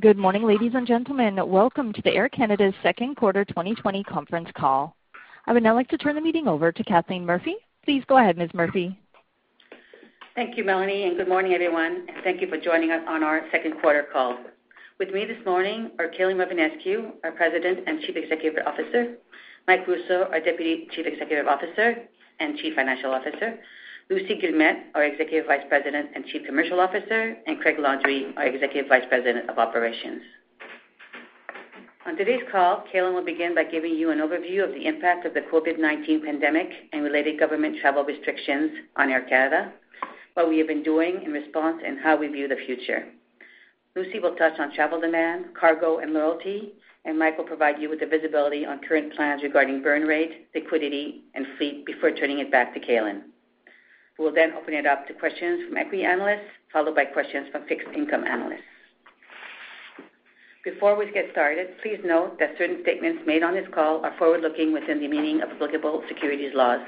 Good morning, ladies and gentlemen. Welcome to the Air Canada second quarter 2020 conference call. I would now like to turn the meeting over to Kathleen Murphy. Please go ahead, Ms. Murphy. Thank you, Melanie, and good morning, everyone. Thank you for joining us on our second quarter call. With me this morning are Calin Rovinescu, our President and Chief Executive Officer, Mike Rousseau, our Deputy Chief Executive Officer and Chief Financial Officer, Lucie Guillemette, our Executive Vice President and Chief Commercial Officer, and Craig Landry, our Executive Vice President of Operations. On today's call, Calin will begin by giving you an overview of the impact of the COVID-19 pandemic and related government travel restrictions on Air Canada, what we have been doing in response, and how we view the future. Lucie will touch on travel demand, cargo, and loyalty, and Mike will provide you with the visibility on current plans regarding burn rate, liquidity, and fleet before turning it back to Calin. We will open it up to questions from equity analysts, followed by questions from fixed-income analysts. Before we get started, please note that certain statements made on this call are forward-looking within the meaning of applicable securities laws.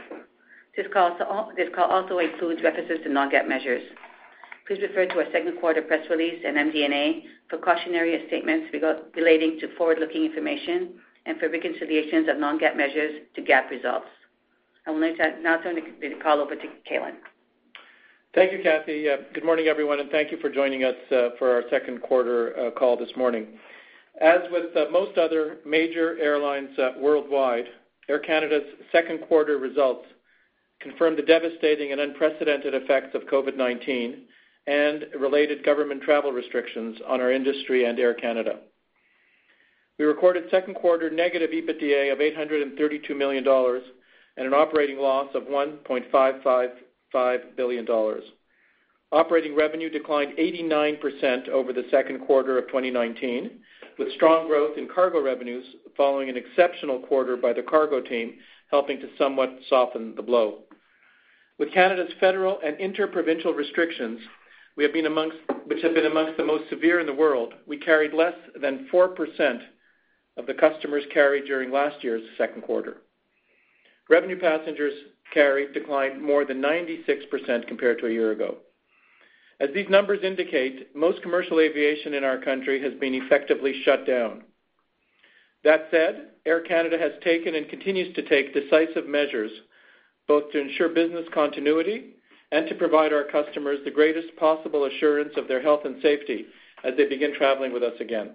This call also includes references to non-GAAP measures. Please refer to our second quarter press release and MD&A for cautionary statements relating to forward-looking information and for reconciliations of non-GAAP measures to GAAP results. I will now turn the call over to Calin. Thank you, Kathy. Good morning, everyone, and thank you for joining us for our second quarter call this morning. As with most other major airlines worldwide, Air Canada's second quarter results confirm the devastating and unprecedented effects of COVID-19 and related government travel restrictions on our industry and Air Canada. We recorded second quarter negative EBITDA of 832 million dollars and an operating loss of 1.555 billion dollars. Operating revenue declined 89% over the second quarter of 2019, with strong growth in cargo revenues following an exceptional quarter by the cargo team, helping to somewhat soften the blow. With Canada's federal and inter-provincial restrictions, which have been amongst the most severe in the world, we carried less than 4% of the customers carried during last year's second quarter. Revenue passengers carried declined more than 96% compared to a year ago. As these numbers indicate, most commercial aviation in our country has been effectively shut down. That said, Air Canada has taken and continues to take decisive measures, both to ensure business continuity and to provide our customers the greatest possible assurance of their health and safety as they begin traveling with us again.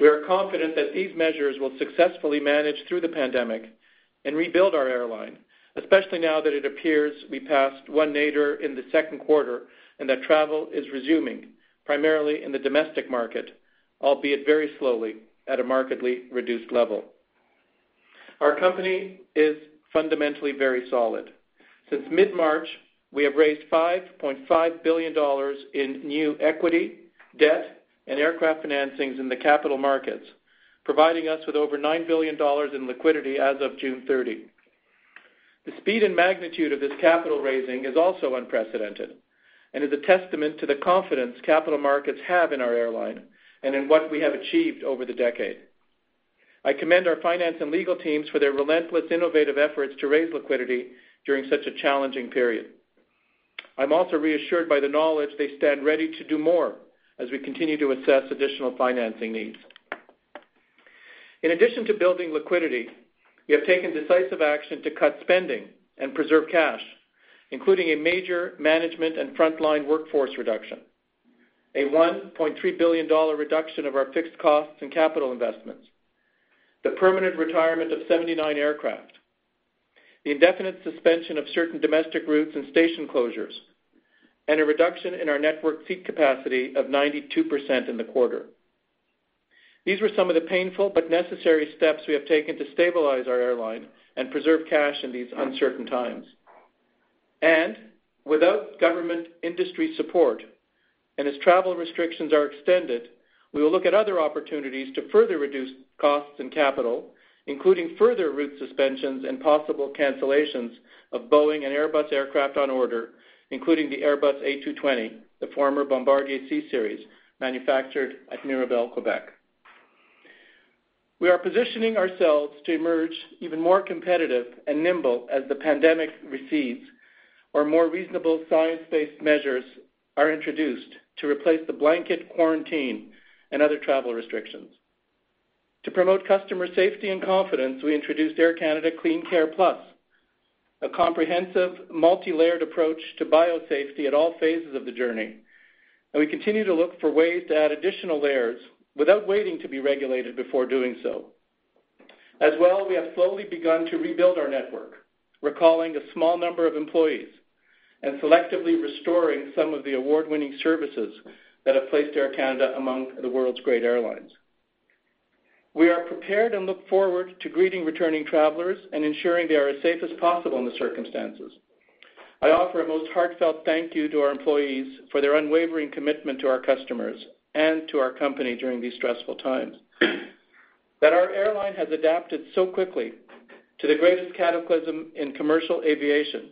We are confident that these measures will successfully manage through the pandemic and rebuild our airline, especially now that it appears we passed one nadir in the second quarter and that travel is resuming, primarily in the domestic market, albeit very slowly at a markedly reduced level. Our company is fundamentally very solid. Since mid-March, we have raised 5.5 billion dollars in new equity, debt, and aircraft financings in the capital markets, providing us with over 9 billion dollars in liquidity as of June 30. The speed and magnitude of this capital raising is also unprecedented and is a testament to the confidence capital markets have in our airline and in what we have achieved over the decade. I commend our finance and legal teams for their relentless, innovative efforts to raise liquidity during such a challenging period. I'm also reassured by the knowledge they stand ready to do more as we continue to assess additional financing needs. In addition to building liquidity, we have taken decisive action to cut spending and preserve cash, including a major management and frontline workforce reduction, a 1.3 billion dollar reduction of our fixed costs and capital investments, the permanent retirement of 79 aircraft, the indefinite suspension of certain domestic routes and station closures, and a reduction in our network seat capacity of 92% in the quarter. These were some of the painful but necessary steps we have taken to stabilize our airline and preserve cash in these uncertain times. Without government industry support, and as travel restrictions are extended, we will look at other opportunities to further reduce costs and capital, including further route suspensions and possible cancellations of Boeing and Airbus aircraft on order, including the Airbus A220, the former Bombardier CSeries, manufactured at Mirabel, Quebec. We are positioning ourselves to emerge even more competitive and nimble as the pandemic recedes or more reasonable science-based measures are introduced to replace the blanket quarantine and other travel restrictions. To promote customer safety and confidence, we introduced Air Canada CleanCare+, a comprehensive, multi-layered approach to biosafety at all phases of the journey. We continue to look for ways to add additional layers without waiting to be regulated before doing so. As well, we have slowly begun to rebuild our network, recalling a small number of employees and selectively restoring some of the award-winning services that have placed Air Canada among the world's great airlines. We are prepared and look forward to greeting returning travelers and ensuring they are as safe as possible in the circumstances. I offer a most heartfelt thank you to our employees for their unwavering commitment to our customers and to our company during these stressful times. That our airline has adapted so quickly to the greatest cataclysm in commercial aviation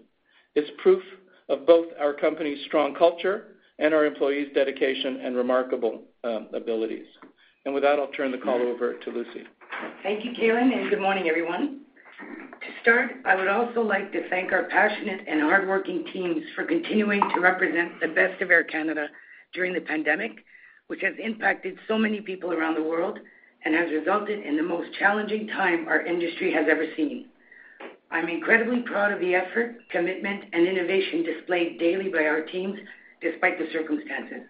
is proof of both our company's strong culture and our employees' dedication and remarkable abilities. With that, I'll turn the call over to Lucie. Thank you, Calin, and good morning, everyone. To start, I would also like to thank our passionate and hardworking teams for continuing to represent the best of Air Canada during the pandemic, which has impacted so many people around the world and has resulted in the most challenging time our industry has ever seen. I'm incredibly proud of the effort, commitment, and innovation displayed daily by our teams, despite the circumstances.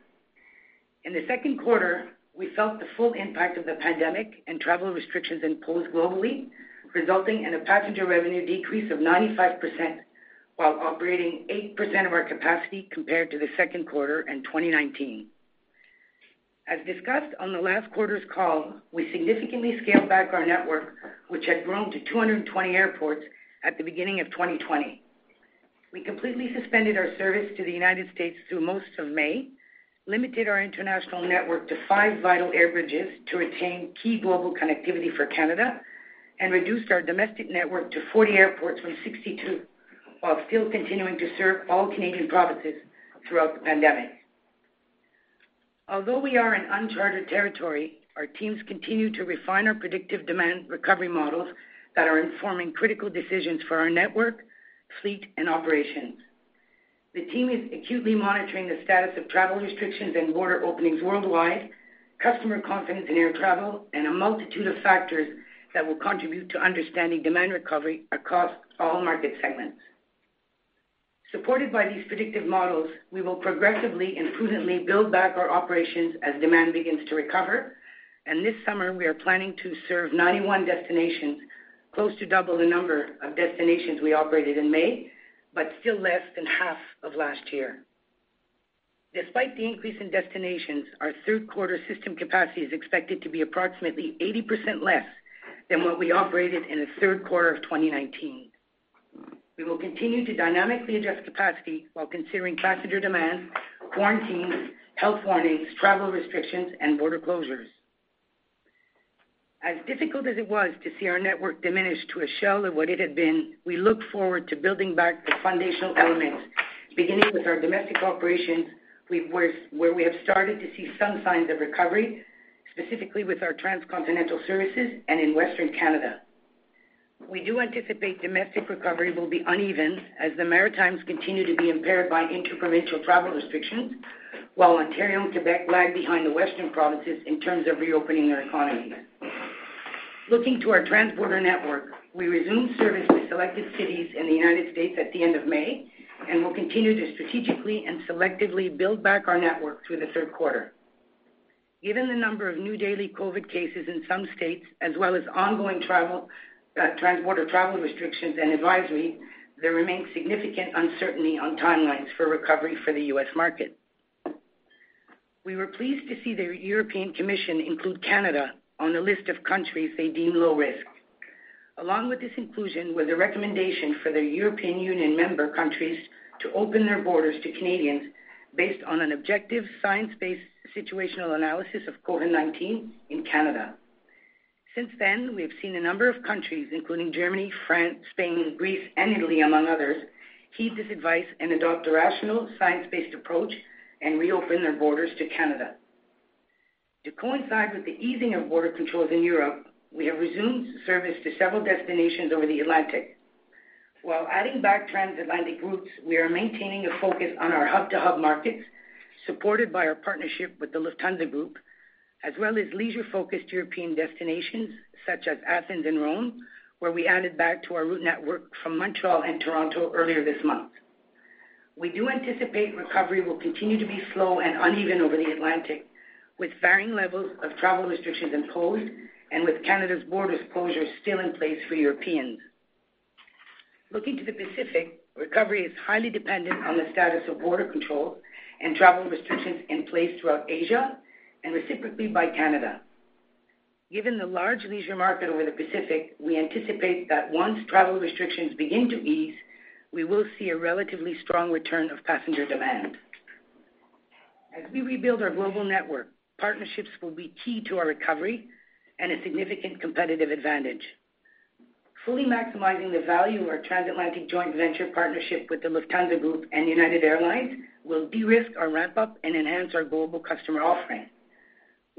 In the second quarter, we felt the full impact of the pandemic and travel restrictions imposed globally, resulting in a passenger revenue decrease of 95%, while operating 8% of our capacity compared to the second quarter in 2019. As discussed on the last quarter's call, we significantly scaled back our network, which had grown to 220 airports at the beginning of 2020. We completely suspended our service to the United States through most of May, limited our international network to five vital air bridges to retain key global connectivity for Canada, and reduced our domestic network to 40 airports from 62, while still continuing to serve all Canadian provinces throughout the pandemic. Although we are in uncharted territory, our teams continue to refine our predictive demand recovery models that are informing critical decisions for our network, fleet, and operations. The team is acutely monitoring the status of travel restrictions and border openings worldwide, customer confidence in air travel, and a multitude of factors that will contribute to understanding demand recovery across all market segments. Supported by these predictive models, we will progressively and prudently build back our operations as demand begins to recover. This summer, we are planning to serve 91 destinations, close to double the number of destinations we operated in May, but still less than half of last year. Despite the increase in destinations, our third quarter system capacity is expected to be approximately 80% less than what we operated in the third quarter of 2019. We will continue to dynamically adjust capacity while considering passenger demand, quarantines, health warnings, travel restrictions, and border closures. As difficult as it was to see our network diminish to a shell of what it had been, we look forward to building back the foundational elements, beginning with our domestic operations, where we have started to see some signs of recovery, specifically with our transcontinental services and in Western Canada. We do anticipate domestic recovery will be uneven as the Maritimes continue to be impaired by inter-provincial travel restrictions, while Ontario and Quebec lag behind the western provinces in terms of reopening their economy. Looking to our transborder network, we resumed service to selected cities in the United States. at the end of May and will continue to strategically and selectively build back our network through the third quarter. Given the number of new daily COVID cases in some states, as well as ongoing transborder travel restrictions and advisories, there remains significant uncertainty on timelines for recovery for the U.S. market. We were pleased to see the European Commission include Canada on the list of countries they deem low risk. Along with this inclusion was a recommendation for the European Union member countries to open their borders to Canadians based on an objective, science-based situational analysis of COVID-19 in Canada. Since then, we have seen a number of countries, including Germany, France, Spain, Greece, and Italy, among others, heed this advice and adopt a rational, science-based approach and reopen their borders to Canada. To coincide with the easing of border controls in Europe, we have resumed service to several destinations over the Atlantic. While adding back transatlantic routes, we are maintaining a focus on our hub-to-hub markets, supported by our partnership with the Lufthansa Group, as well as leisure-focused European destinations such as Athens and Rome, where we added back to our route network from Montreal and Toronto earlier this month. We do anticipate recovery will continue to be slow and uneven over the Atlantic, with varying levels of travel restrictions imposed and with Canada's borders closure still in place for Europeans. Looking to the Pacific, recovery is highly dependent on the status of border control and travel restrictions in place throughout Asia and reciprocally by Canada. Given the large leisure market over the Pacific, we anticipate that once travel restrictions begin to ease, we will see a relatively strong return of passenger demand. As we rebuild our global network, partnerships will be key to our recovery and a significant competitive advantage. Fully maximizing the value of our transatlantic joint venture partnership with the Lufthansa Group and United Airlines will de-risk our ramp-up and enhance our global customer offering.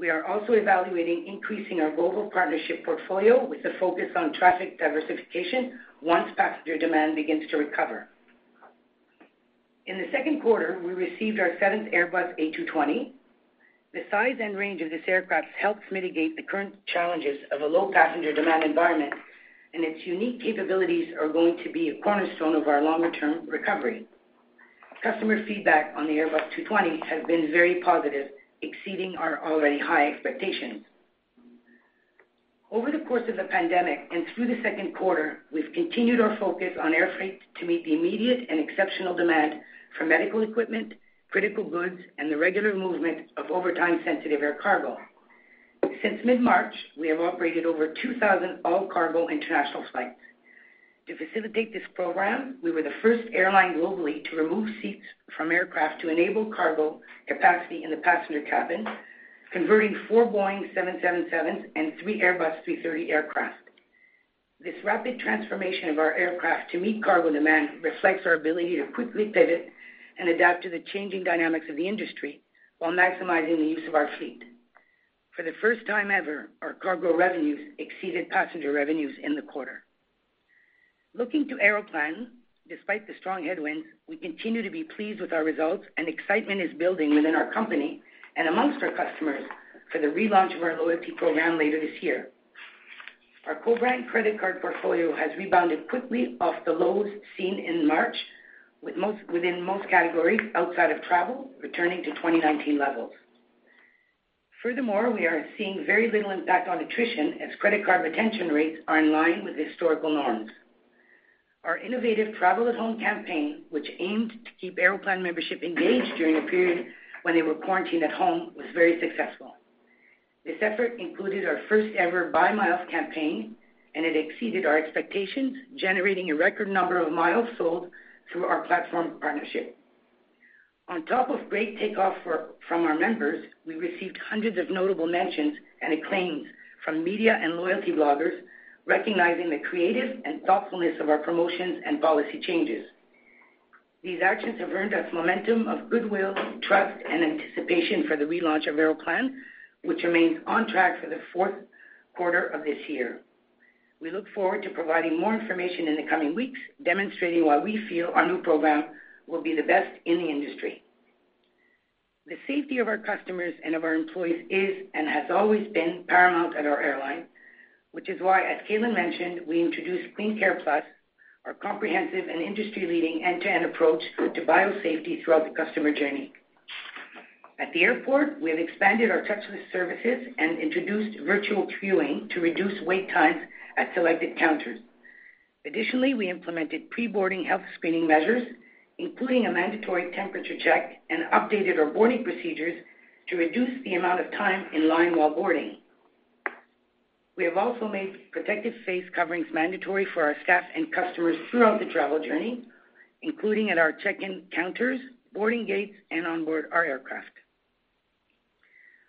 We are also evaluating increasing our global partnership portfolio with a focus on traffic diversification once passenger demand begins to recover. In the second quarter, we received our seventh Airbus A220. The size and range of this aircraft helps mitigate the current challenges of a low passenger demand environment, and its unique capabilities are going to be a cornerstone of our longer-term recovery. Customer feedback on the Airbus A220 has been very positive, exceeding our already high expectations. Over the course of the pandemic and through the second quarter, we've continued our focus on air freight to meet the immediate and exceptional demand for medical equipment, critical goods, and the regular movement of overtime-sensitive air cargo. Since mid-March, we have operated over 2,000 all-cargo international flights. To facilitate this program, we were the first airline globally to remove seats from aircraft to enable cargo capacity in the passenger cabin, converting four Boeing 777s and three Airbus A330 aircraft. This rapid transformation of our aircraft to meet cargo demand reflects our ability to quickly pivot and adapt to the changing dynamics of the industry while maximizing the use of our fleet. For the first time ever, our cargo revenues exceeded passenger revenues in the quarter. Looking to Aeroplan, despite the strong headwinds, we continue to be pleased with our results and excitement is building within our company and amongst our customers for the relaunch of our loyalty program later this year. Our co-brand credit card portfolio has rebounded quickly off the lows seen in March, within most categories outside of travel, returning to 2019 levels. Furthermore, we are seeing very little impact on attrition as credit card retention rates are in line with historical norms. Our innovative Travel at Home campaign, which aimed to keep Aeroplan membership engaged during a period when they were quarantined at home, was very successful. This effort included our first ever Buy Miles campaign. It exceeded our expectations, generating a record number of miles sold through our platform partnership. On top of great takeoff from our members, we received hundreds of notable mentions and acclaims from media and loyalty bloggers recognizing the creative and thoughtfulness of our promotions and policy changes. These actions have earned us momentum of goodwill, trust, and anticipation for the relaunch of Aeroplan, which remains on track for the fourth quarter of this year. We look forward to providing more information in the coming weeks, demonstrating why we feel our new program will be the best in the industry. The safety of our customers and of our employees is and has always been paramount at our airline, which is why, as Calin mentioned, we introduced CleanCare+, our comprehensive and industry-leading end-to-end approach to biosafety throughout the customer journey. At the airport, we have expanded our touchless services and introduced virtual queuing to reduce wait times at selected counters. Additionally, we implemented pre-boarding health screening measures, including a mandatory temperature check, and updated our boarding procedures to reduce the amount of time in line while boarding. We have also made protective face coverings mandatory for our staff and customers throughout the travel journey, including at our check-in counters, boarding gates, and onboard our aircraft.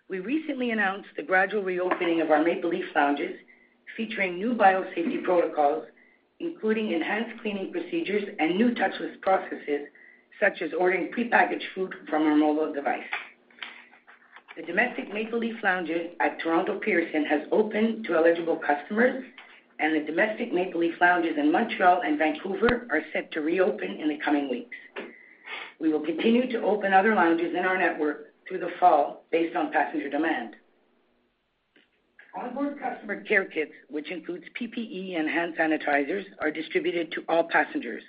We recently announced the gradual reopening of our Maple Leaf Lounges, featuring new biosafety protocols, including enhanced cleaning procedures and new touchless processes, such as ordering prepackaged food from a mobile device. The domestic Maple Leaf Lounges at Toronto Pearson has opened to eligible customers, and the domestic Maple Leaf Lounges in Montreal and Vancouver are set to reopen in the coming weeks. We will continue to open other lounges in our network through the fall based on passenger demand. Onboard customer care kits, which includes PPE and hand sanitizers, are distributed to all passengers.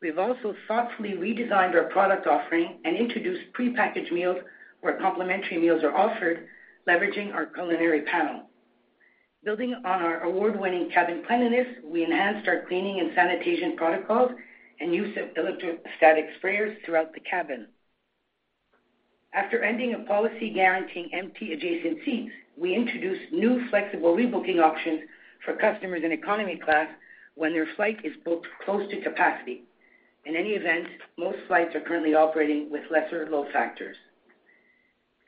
We've also thoughtfully redesigned our product offering and introduced prepackaged meals where complimentary meals are offered, leveraging our culinary panel. Building on our award-winning cabin cleanliness, we enhanced our cleaning and sanitation protocols and use of electrostatic sprayers throughout the cabin. After ending a policy guaranteeing empty adjacent seats, we introduced new flexible rebooking options for customers in economy class when their flight is booked close to capacity. In any event, most flights are currently operating with lesser load factors.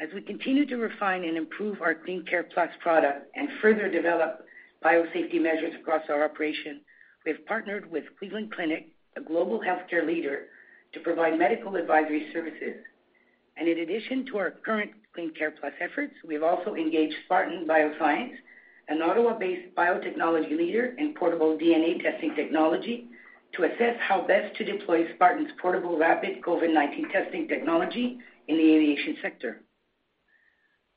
As we continue to refine and improve our CleanCare+ product and further develop biosafety measures across our operation, we've partnered with Cleveland Clinic, a global healthcare leader, to provide medical advisory services. In addition to our current CleanCare+ efforts, we've also engaged Spartan Bioscience, an Ottawa-based biotechnology leader in portable DNA testing technology, to assess how best to deploy Spartan's portable rapid COVID-19 testing technology in the aviation sector.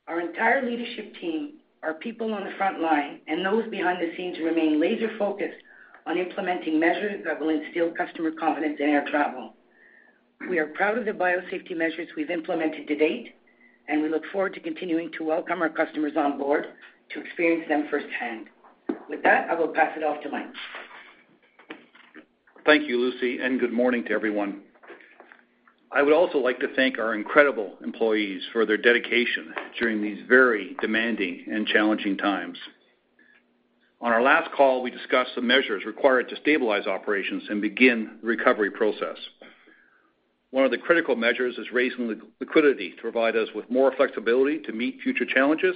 Our entire leadership team are people on the front line, and those behind the scenes remain laser-focused on implementing measures that will instill customer confidence in air travel. We are proud of the biosafety measures we've implemented to date, and we look forward to continuing to welcome our customers on board to experience them firsthand. With that, I will pass it off to Mike. Thank you, Lucie. Good morning to everyone. I would also like to thank our incredible employees for their dedication during these very demanding and challenging times. On our last call, we discussed the measures required to stabilize operations and begin the recovery process. One of the critical measures is raising liquidity to provide us with more flexibility to meet future challenges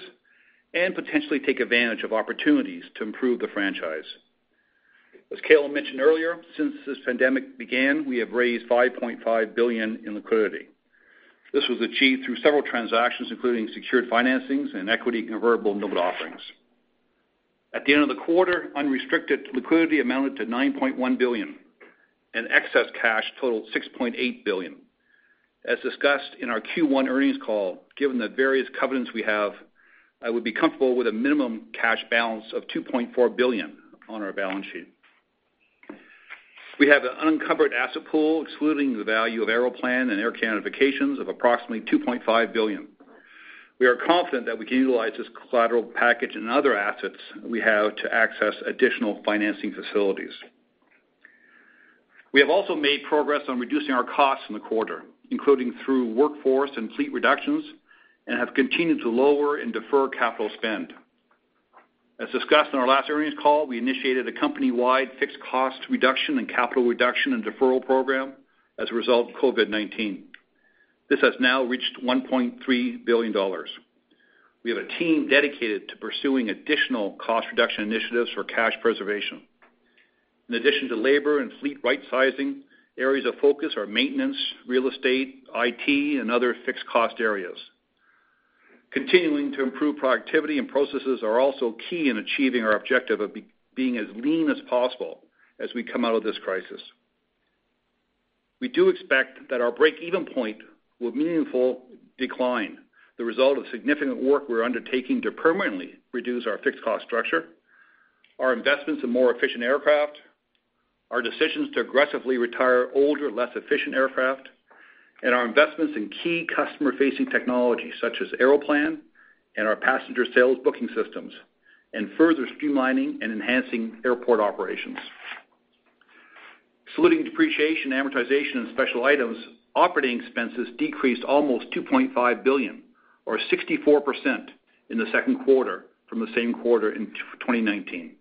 and potentially take advantage of opportunities to improve the franchise. As Calin mentioned earlier, since this pandemic began, we have raised 5.5 billion in liquidity. This was achieved through several transactions, including secured financings and equity convertible note offerings. At the end of the quarter, unrestricted liquidity amounted to 9.1 billion, and excess cash totaled 6.8 billion. As discussed in our Q1 earnings call, given the various covenants we have, I would be comfortable with a minimum cash balance of 2.4 billion on our balance sheet. We have an uncovered asset pool, excluding the value of Aeroplan and Air Canada Vacations of approximately 2.5 billion. We are confident that we can utilize this collateral package and other assets we have to access additional financing facilities. We have also made progress on reducing our costs in the quarter, including through workforce and fleet reductions, and have continued to lower and defer capital spend. As discussed in our last earnings call, we initiated a company-wide fixed cost reduction and capital reduction and deferral program as a result of COVID-19. This has now reached 1.3 billion dollars. We have a team dedicated to pursuing additional cost reduction initiatives for cash preservation. In addition to labor and fleet rightsizing, areas of focus are maintenance, real estate, IT, and other fixed cost areas. Continuing to improve productivity and processes are also key in achieving our objective of being as lean as possible as we come out of this crisis. We do expect that our break-even point will meaningfully decline, the result of significant work we're undertaking to permanently reduce our fixed cost structure, our investments in more efficient aircraft, our decisions to aggressively retire older, less efficient aircraft, and our investments in key customer-facing technology such as Aeroplan and our passenger sales booking systems, and further streamlining and enhancing airport operations. Excluding depreciation, amortization, and special items, operating expenses decreased almost 2.5 billion, or 64%, in the second quarter from the same quarter in 2019.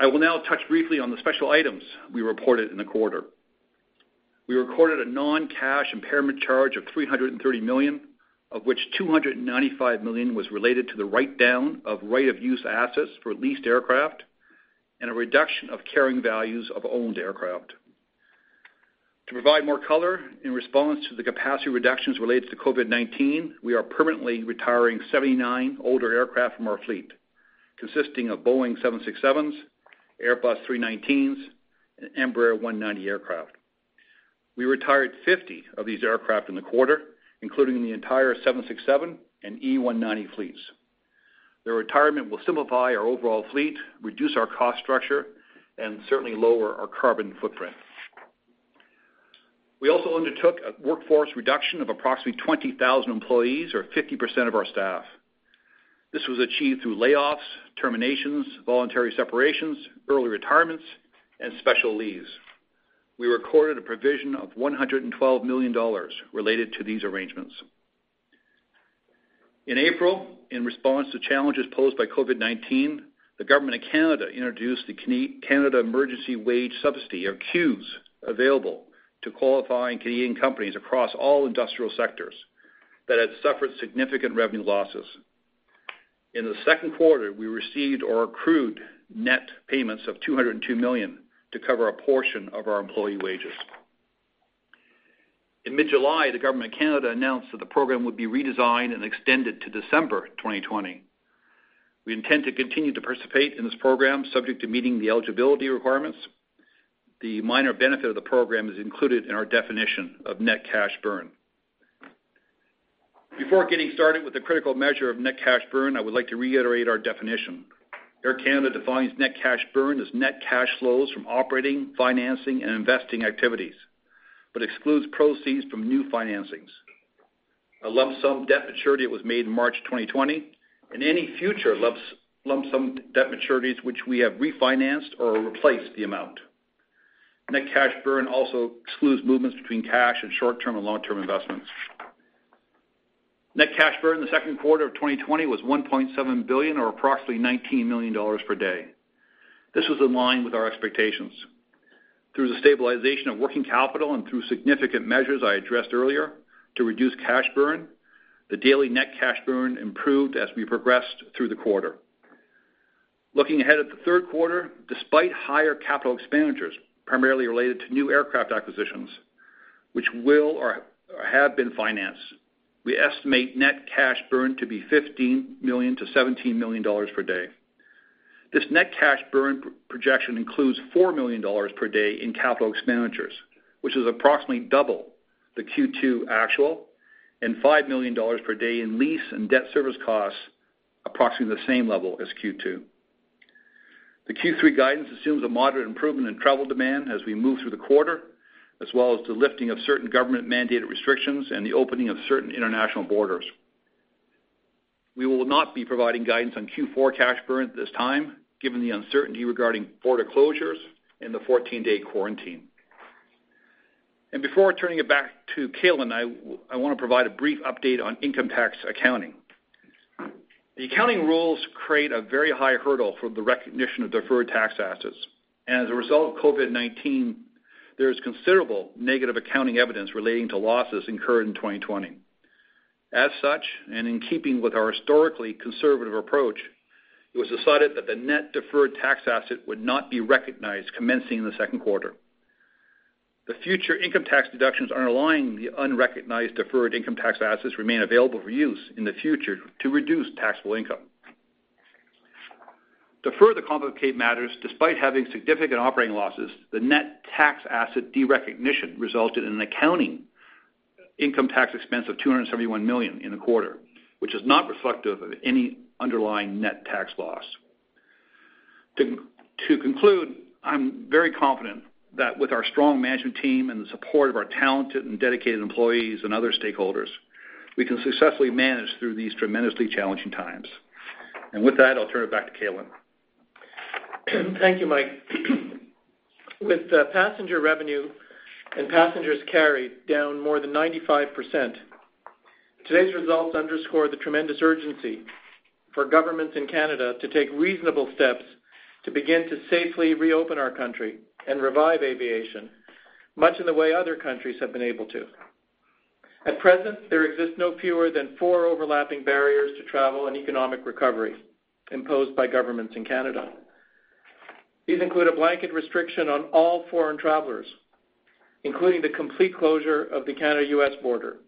I will now touch briefly on the special items we reported in the quarter. We recorded a non-cash impairment charge of 330 million, of which 295 million was related to the write-down of right-of-use assets for leased aircraft and a reduction of carrying values of owned aircraft. To provide more color, in response to the capacity reductions related to COVID-19, we are permanently retiring 79 older aircraft from our fleet, consisting of Boeing 767s, Airbus A319s, and Embraer 190 aircraft. We retired 50 of these aircraft in the quarter, including the entire 767 and E190 fleets. Their retirement will simplify our overall fleet, reduce our cost structure, and certainly lower our carbon footprint. We also undertook a workforce reduction of approximately 20,000 employees or 50% of our staff. This was achieved through layoffs, terminations, voluntary separations, early retirements, and special leaves. We recorded a provision of 112 million dollars related to these arrangements. In April, in response to challenges posed by COVID-19, the government of Canada introduced the Canada Emergency Wage Subsidy, or CEWS, available to qualifying Canadian companies across all industrial sectors that had suffered significant revenue losses. In the second quarter, we received or accrued net payments of 202 million to cover a portion of our employee wages. In mid-July, the government of Canada announced that the program would be redesigned and extended to December 2020. We intend to continue to participate in this program, subject to meeting the eligibility requirements. The minor benefit of the program is included in our definition of net cash burn. Before getting started with the critical measure of net cash burn, I would like to reiterate our definition. Air Canada defines net cash burn as net cash flows from operating, financing, and investing activities, but excludes proceeds from new financings, a lump sum debt maturity that was made in March 2020, and any future lump sum debt maturities which we have refinanced or replaced the amount. Net cash burn also excludes movements between cash and short-term and long-term investments. Net cash burn in the second quarter of 2020 was 1.7 billion or approximately 19 million dollars per day. This was in line with our expectations. Through the stabilization of working capital and through significant measures I addressed earlier to reduce cash burn, the daily net cash burn improved as we progressed through the quarter. Looking ahead at the third quarter, despite higher capital expenditures primarily related to new aircraft acquisitions, which will or have been financed, we estimate net cash burn to be 15 million-17 million dollars per day. This net cash burn projection includes 4 million dollars per day in capital expenditures, which is approximately double the Q2 actual, and 5 million dollars per day in lease and debt service costs, approximately the same level as Q2. The Q3 guidance assumes a moderate improvement in travel demand as we move through the quarter, as well as the lifting of certain government-mandated restrictions and the opening of certain international borders. We will not be providing guidance on Q4 cash burn at this time given the uncertainty regarding border closures and the 14-day quarantine. Before turning it back to Calin, I want to provide a brief update on income tax accounting. The accounting rules create a very high hurdle for the recognition of deferred tax assets, and as a result of COVID-19, there is considerable negative accounting evidence relating to losses incurred in 2020. As such, and in keeping with our historically conservative approach, it was decided that the net deferred tax asset would not be recognized commencing in the second quarter. The future income tax deductions underlying the unrecognized deferred income tax assets remain available for use in the future to reduce taxable income. To further complicate matters, despite having significant operating losses, the net tax asset derecognition resulted in an accounting income tax expense of 271 million in the quarter, which is not reflective of any underlying net tax loss. To conclude, I'm very confident that with our strong management team and the support of our talented and dedicated employees and other stakeholders, we can successfully manage through these tremendously challenging times. With that, I'll turn it back to Calin. Thank you, Mike. With passenger revenue and passengers carried down more than 95%, today's results underscore the tremendous urgency for governments in Canada to take reasonable steps to begin to safely reopen our country and revive aviation, much in the way other countries have been able to. At present, there exists no fewer than four overlapping barriers to travel and economic recovery imposed by governments in Canada. These include a blanket restriction on all foreign travelers, including the complete closure of the Canada-U.S. border.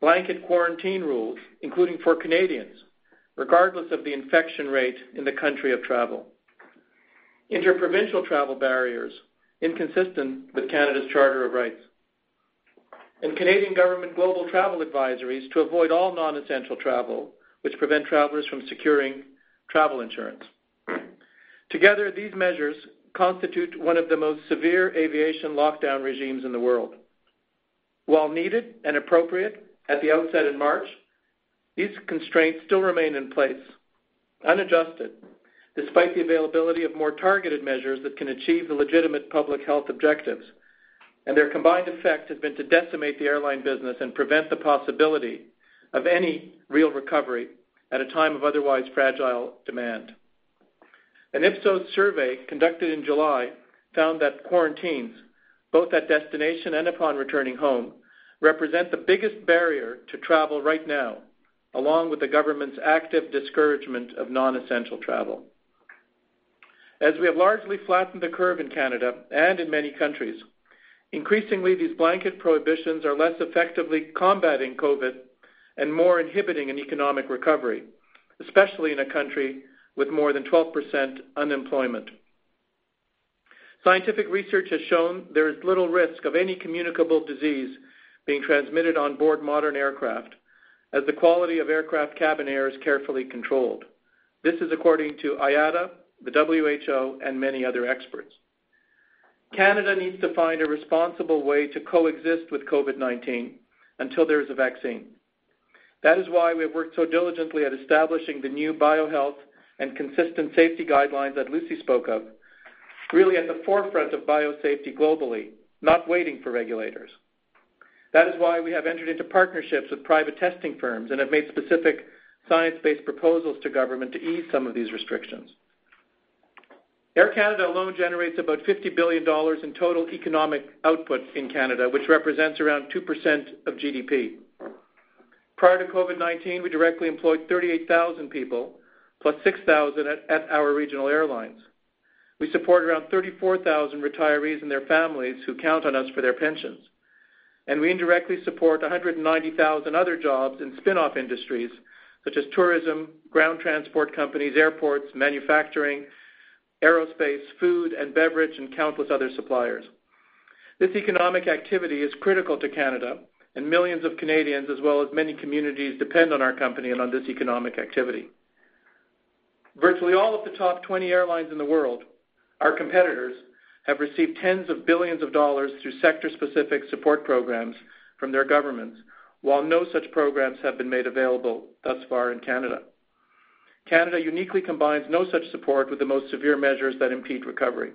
Blanket quarantine rules, including for Canadians, regardless of the infection rate in the country of travel. Inter-provincial travel barriers inconsistent with Canada's Charter of Rights. Canadian government global travel advisories to avoid all non-essential travel, which prevent travelers from securing travel insurance. Together, these measures constitute one of the most severe aviation lockdown regimes in the world. While needed and appropriate at the outset in March, these constraints still remain in place, unadjusted, despite the availability of more targeted measures that can achieve the legitimate public health objectives, and their combined effect has been to decimate the airline business and prevent the possibility of any real recovery at a time of otherwise fragile demand. An Ipsos survey conducted in July found that quarantines, both at destination and upon returning home, represent the biggest barrier to travel right now, along with the government's active discouragement of non-essential travel. As we have largely flattened the curve in Canada and in many countries, increasingly, these blanket prohibitions are less effectively combating COVID and more inhibiting an economic recovery, especially in a country with more than 12% unemployment. Scientific research has shown there is little risk of any communicable disease being transmitted on board modern aircraft, as the quality of aircraft cabin air is carefully controlled. This is according to IATA, the WHO, and many other experts. Canada needs to find a responsible way to coexist with COVID-19 until there is a vaccine. That is why we have worked so diligently at establishing the new BioHealth and consistent safety guidelines that Lucie spoke of, really at the forefront of biosafety globally, not waiting for regulators. That is why we have entered into partnerships with private testing firms and have made specific science-based proposals to government to ease some of these restrictions. Air Canada alone generates about 50 billion dollars in total economic output in Canada, which represents around 2% of GDP. Prior to COVID-19, we directly employed 38,000 people, plus 6,000 at our regional airlines. We support around 34,000 retirees and their families who count on us for their pensions. We indirectly support 190,000 other jobs in spinoff industries such as tourism, ground transport companies, airports, manufacturing, aerospace, food and beverage, and countless other suppliers. This economic activity is critical to Canada. Millions of Canadians, as well as many communities, depend on our company and on this economic activity. Virtually all of the top 20 airlines in the world, our competitors, have received tens of billions of dollars through sector-specific support programs from their governments, while no such programs have been made available thus far in Canada. Canada uniquely combines no such support with the most severe measures that impede recovery.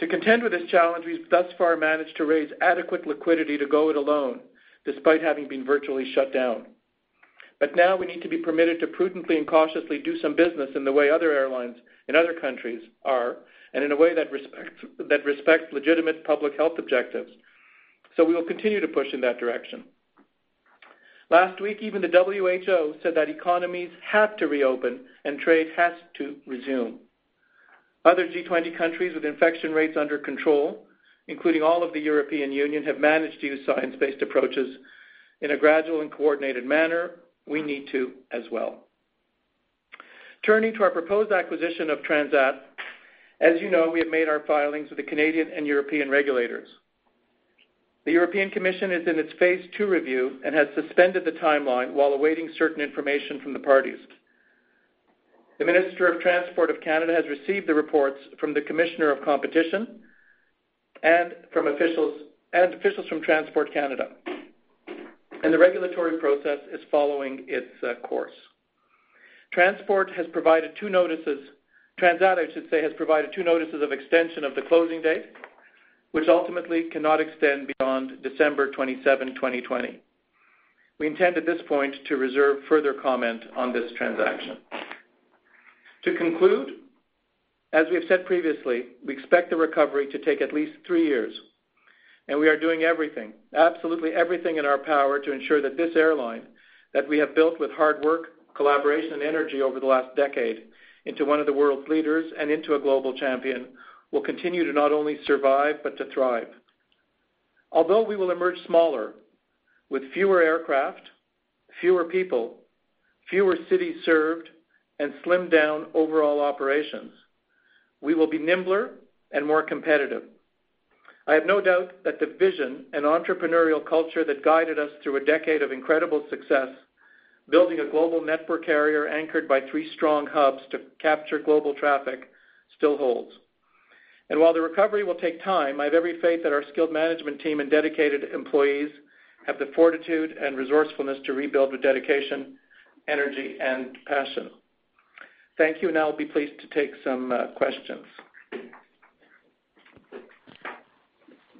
To contend with this challenge, we've thus far managed to raise adequate liquidity to go it alone, despite having been virtually shut down. Now we need to be permitted to prudently and cautiously do some business in the way other airlines in other countries are, and in a way that respects legitimate public health objectives. We will continue to push in that direction. Last week, even the WHO said that economies have to reopen and trade has to resume. Other G20 countries with infection rates under control, including all of the European Union, have managed to use science-based approaches in a gradual and coordinated manner. We need to as well. Turning to our proposed acquisition of Transat, as you know, we have made our filings with the Canadian and European regulators. The European Commission is in its phase two review and has suspended the timeline while awaiting certain information from the parties. The Minister of Transport of Canada has received the reports from the Commissioner of Competition and officials from Transport Canada, and the regulatory process is following its course. Transat has provided two notices of extension of the closing date, which ultimately cannot extend beyond December 27, 2020. We intend at this point to reserve further comment on this transaction. To conclude, as we have said previously, we expect the recovery to take at least three years, and we are doing everything, absolutely everything in our power to ensure that this airline that we have built with hard work, collaboration, and energy over the last decade into one of the world's leaders and into a global champion will continue to not only survive but to thrive. Although we will emerge smaller with fewer aircraft, fewer people, fewer cities served, and slimmed down overall operations, we will be nimbler and more competitive. I have no doubt that the vision and entrepreneurial culture that guided us through a decade of incredible success, building a global network carrier anchored by three strong hubs to capture global traffic, still holds. While the recovery will take time, I have every faith that our skilled management team and dedicated employees have the fortitude and resourcefulness to rebuild with dedication, energy, and passion. Thank you, and I'll be pleased to take some questions.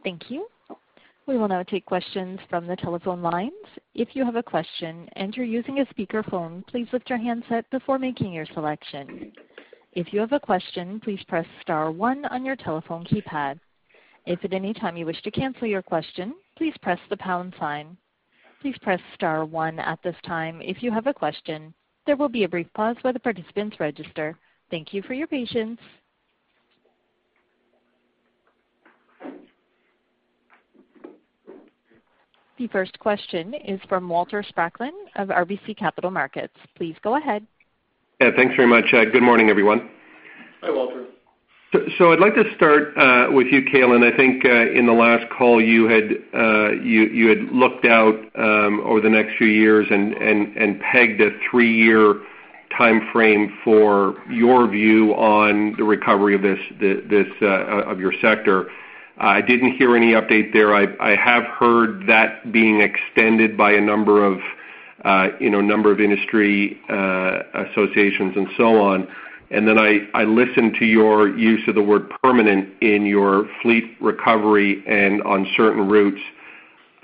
Thank you. We will now take questions from the telephone lines. If you have a question and you're using a speakerphone, please lift your handset before making your selection. If you have a question, please press star one on your telephone keypad. If at any time you wish to cancel your question, please press the pound sign. Please press star one at this time if you have a question. There will be a brief pause while the participants register. Thank you for your patience. The first question is from Walter Spracklin of RBC Capital Markets. Please go ahead. Yeah, thanks very much. Good morning, everyone. Hi, Walter. I'd like to start with you, Calin. I think in the last call, you had looked out over the next few years and pegged a three-year timeframe for your view on the recovery of your sector. I didn't hear any update there. I have heard that being extended by a number of industry associations and so on. Then I listened to your use of the word permanent in your fleet recovery and on certain routes.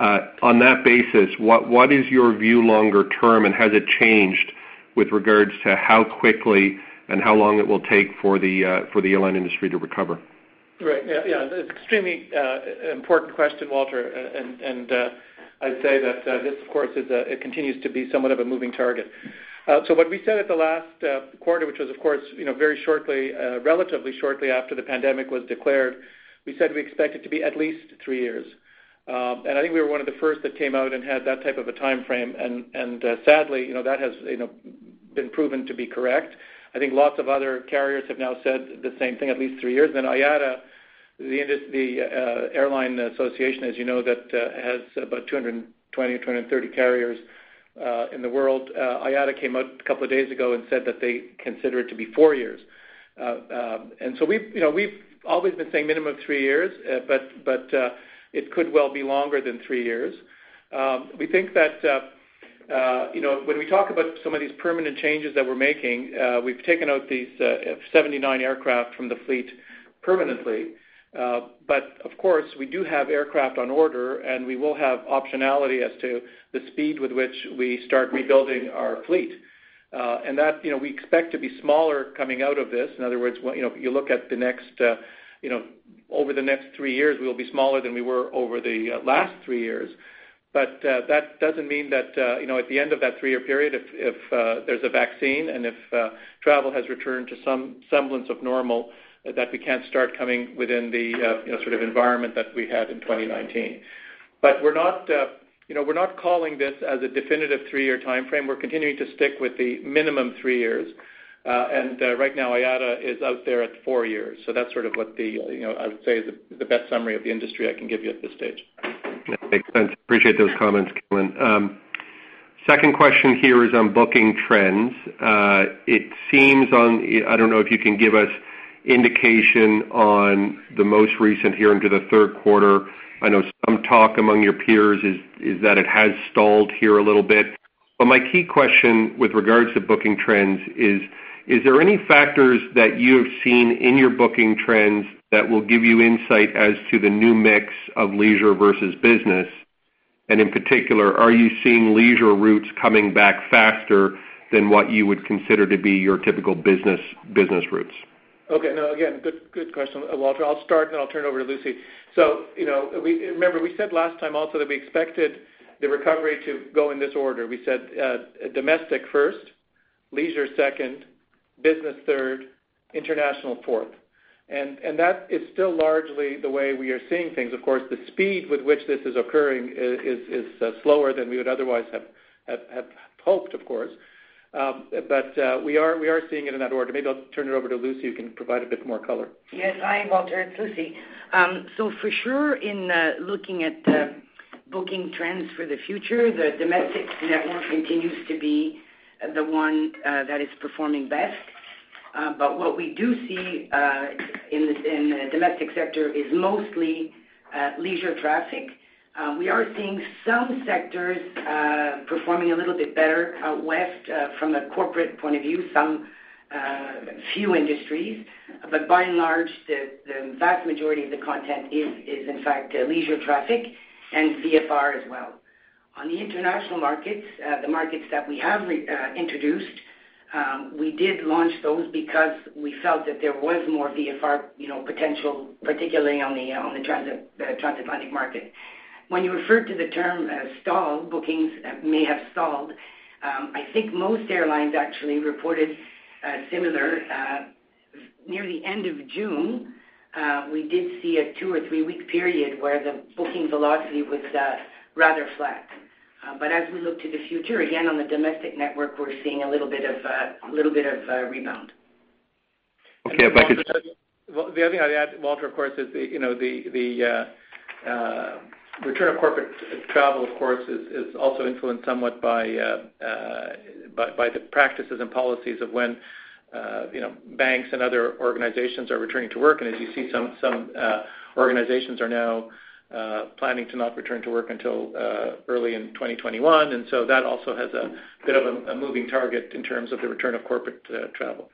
On that basis, what is your view longer term, and has it changed with regards to how quickly and how long it will take for the airline industry to recover? Right. Yeah. Extremely important question, Walter. I'd say that this, of course, it continues to be somewhat of a moving target. What we said at the last quarter, which was of course, relatively shortly after the pandemic was declared, we said we expect it to be at least three years. I think we were one of the first that came out and had that type of a timeframe. Sadly, that has been proven to be correct. I think lots of other carriers have now said the same thing, at least three years. IATA, the airline association, as you know, that has about 220 or 230 carriers in the world. IATA came out a couple of days ago and said that they consider it to be four years. We've always been saying minimum of three years, but it could well be longer than three years. We think that when we talk about some of these permanent changes that we're making, we've taken out these 79 aircraft from the fleet permanently. Of course, we do have aircraft on order, and we will have optionality as to the speed with which we start rebuilding our fleet. That we expect to be smaller coming out of this. In other words, if you look over the next three years, we will be smaller than we were over the last three years. That doesn't mean that at the end of that three-year period, if there's a vaccine and if travel has returned to some semblance of normal, that we can't start coming within the sort of environment that we had in 2019. We're not calling this as a definitive three-year timeframe. We're continuing to stick with the minimum three years. Right now, IATA is out there at four years. That's sort of what I would say is the best summary of the industry I can give you at this stage. That makes sense. Appreciate those comments, Calin. Second question here is on booking trends. I don't know if you can give us indication on the most recent here into the third quarter. I know some talk among your peers is that it has stalled here a little bit. My key question with regards to booking trends is there any factors that you have seen in your booking trends that will give you insight as to the new mix of leisure versus business? In particular, are you seeing leisure routes coming back faster than what you would consider to be your typical business routes? Okay. No, again, good question, Walter. I'll start, and then I'll turn it over to Lucie. Remember, we said last time also that we expected the recovery to go in this order. We said domestic first, leisure second, business third, international fourth. That is still largely the way we are seeing things. Of course, the speed with which this is occurring is slower than we would otherwise have hoped, of course. We are seeing it in that order. Maybe I'll turn it over to Lucie, who can provide a bit more color. Yes. Hi, Walter. It's Lucie. For sure, in looking at the booking trends for the future, the domestic network continues to be the one that is performing best. What we do see in the domestic sector is mostly leisure traffic. We are seeing some sectors performing a little bit better out West from a corporate point of view, some few industries. By and large, the vast majority of the content is, in fact, leisure traffic and VFR as well. On the international markets, the markets that we have introduced, we did launch those because we felt that there was more VFR potential, particularly on the transatlantic market. When you refer to the term stall, bookings may have stalled. I think most airlines actually reported similar. Near the end of June, we did see a two or three-week period where the booking velocity was rather flat. As we look to the future, again, on the domestic network, we're seeing a little bit of a rebound. Okay. The other thing I'd add, Walter, of course, is the return of corporate travel, of course, is also influenced somewhat by the practices and policies of when banks and other organizations are returning to work. As you see, some organizations are now planning to not return to work until early in 2021. That also has a bit of a moving target in terms of the return of corporate travel.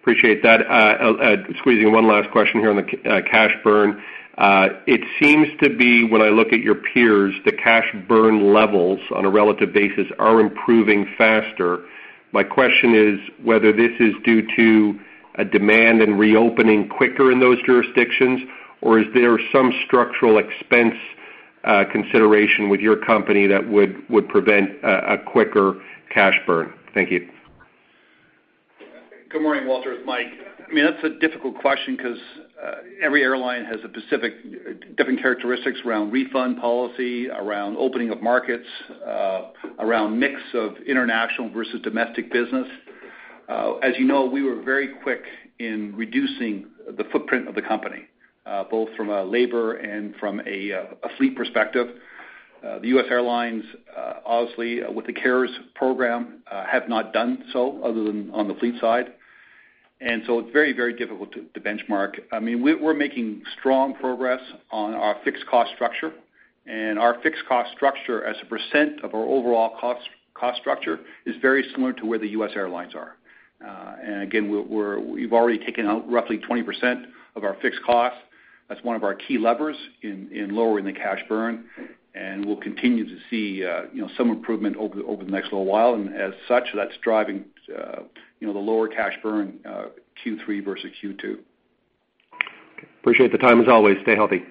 Appreciate that. Squeezing one last question here on the cash burn. It seems to be, when I look at your peers, the cash burn levels on a relative basis are improving faster. My question is whether this is due to a demand and reopening quicker in those jurisdictions, or is there some structural expense consideration with your company that would prevent a quicker cash burn? Thank you. Good morning, Walter. It's Mike. That's a difficult question because every airline has specific different characteristics around refund policy, around opening of markets, around mix of international versus domestic business. As you know, we were very quick in reducing the footprint of the company, both from a labor and from a fleet perspective. The U.S. airlines, honestly, with the CARES program, have not done so other than on the fleet side. It's very difficult to benchmark. We're making strong progress on our fixed cost structure, and our fixed cost structure as a percent of our overall cost structure is very similar to where the U.S. airlines are. Again, we've already taken out roughly 20% of our fixed costs. That's one of our key levers in lowering the cash burn, and we'll continue to see some improvement over the next little while, and as such, that's driving the lower cash burn Q3 versus Q2. Appreciate the time as always. Stay healthy.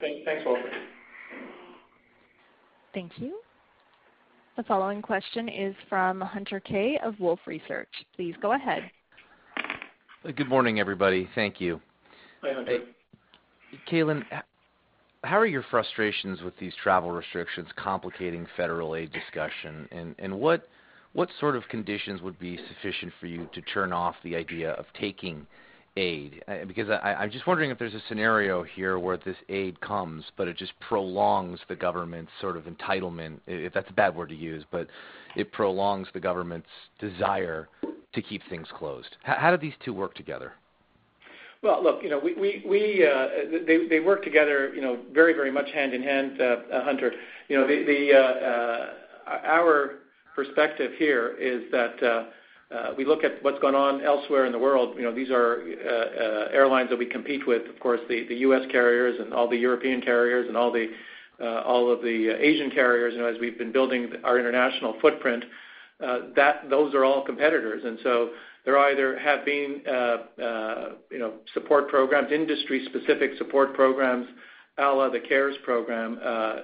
Thanks, Walter. Thank you. The following question is from Hunter Keay of Wolfe Research. Please go ahead. Good morning, everybody. Thank you. Hi, Hunter. Calin, how are your frustrations with these travel restrictions complicating federal aid discussion? What sort of conditions would be sufficient for you to turn off the idea of taking aid? I'm just wondering if there's a scenario here where this aid comes, it just prolongs the government's sort of entitlement, if that's a bad word to use, it prolongs the government's desire to keep things closed. How do these two work together? Look, they work together very much hand in hand, Hunter. Our perspective here is that we look at what's going on elsewhere in the world. These are airlines that we compete with. Of course, the U.S. carriers and all the European carriers and all of the Asian carriers, as we've been building our international footprint, those are all competitors. There either have been industry-specific support programs, a la the CARES program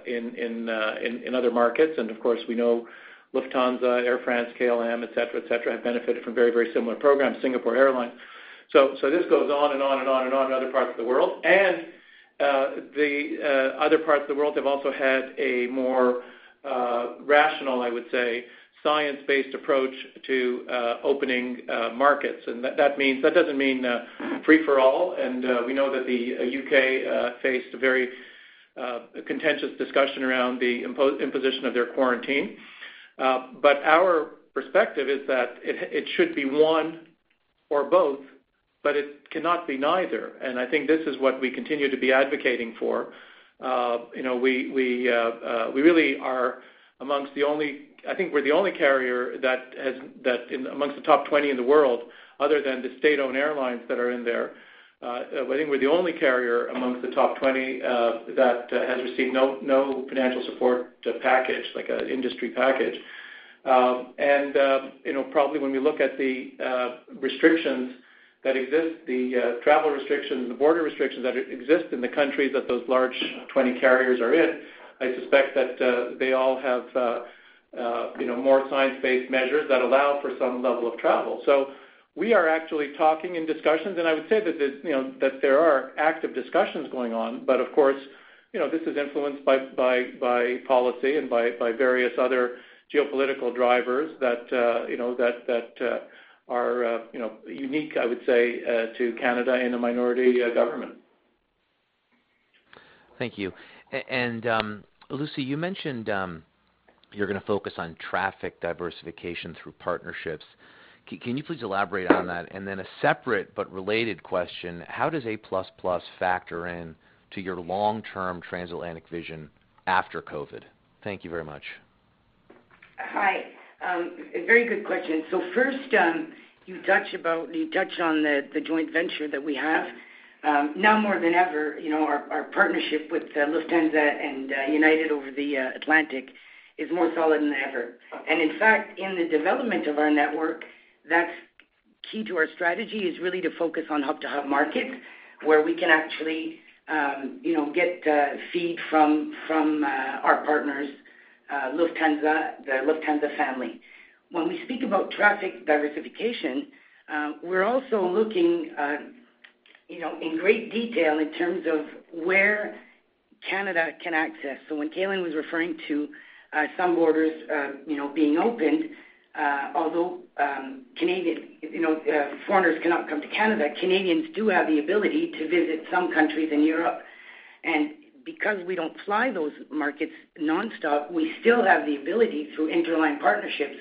in other markets. Of course, we know Lufthansa, Air France, KLM, et cetera, have benefited from very similar programs, Singapore Airlines. This goes on and on in other parts of the world. The other parts of the world have also had a more rational, I would say, science-based approach to opening markets. That doesn't mean free for all, and we know that the U.K. faced a very contentious discussion around the imposition of their quarantine. Our perspective is that it should be one or both, but it cannot be neither. I think this is what we continue to be advocating for. I think we're the only carrier amongst the top 20 in the world, other than the state-owned airlines that are in there. I think we're the only carrier amongst the top 20 that has received no financial support package, like an industry package. Probably when we look at the restrictions that exist, the travel restrictions, the border restrictions that exist in the countries that those large 20 carriers are in, I suspect that they all have more science-based measures that allow for some level of travel. We are actually talking in discussions, and I would say that there are active discussions going on. Of course, this is influenced by policy and by various other geopolitical drivers that are unique, I would say, to Canada in a minority government. Thank you. Lucie, you mentioned you're going to focus on traffic diversification through partnerships. Can you please elaborate on that? A separate but related question, how does A++ factor into your long-term transatlantic vision after COVID? Thank you very much. Hi. A very good question. First, you touched on the joint venture that we have. Now more than ever, our partnership with Lufthansa and United over the Atlantic is more solid than ever. In fact, in the development of our network, that's key to our strategy is really to focus on hub-to-hub markets where we can actually get feed from our partners, the Lufthansa family. When we speak about traffic diversification, we're also looking in great detail in terms of where Canada can access. When Calin was referring to some borders being opened, although foreigners cannot come to Canada, Canadians do have the ability to visit some countries in Europe. Because we don't fly those markets nonstop, we still have the ability, through interline partnerships,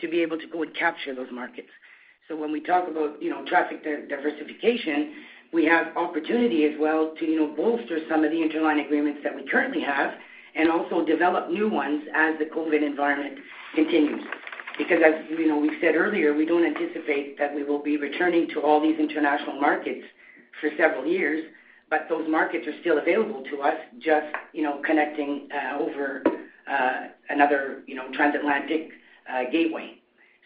to be able to go and capture those markets. When we talk about traffic diversification, we have opportunity as well to bolster some of the interline agreements that we currently have and also develop new ones as the COVID environment continues. As we said earlier, we don't anticipate that we will be returning to all these international markets for several years, but those markets are still available to us, just connecting over another transatlantic gateway.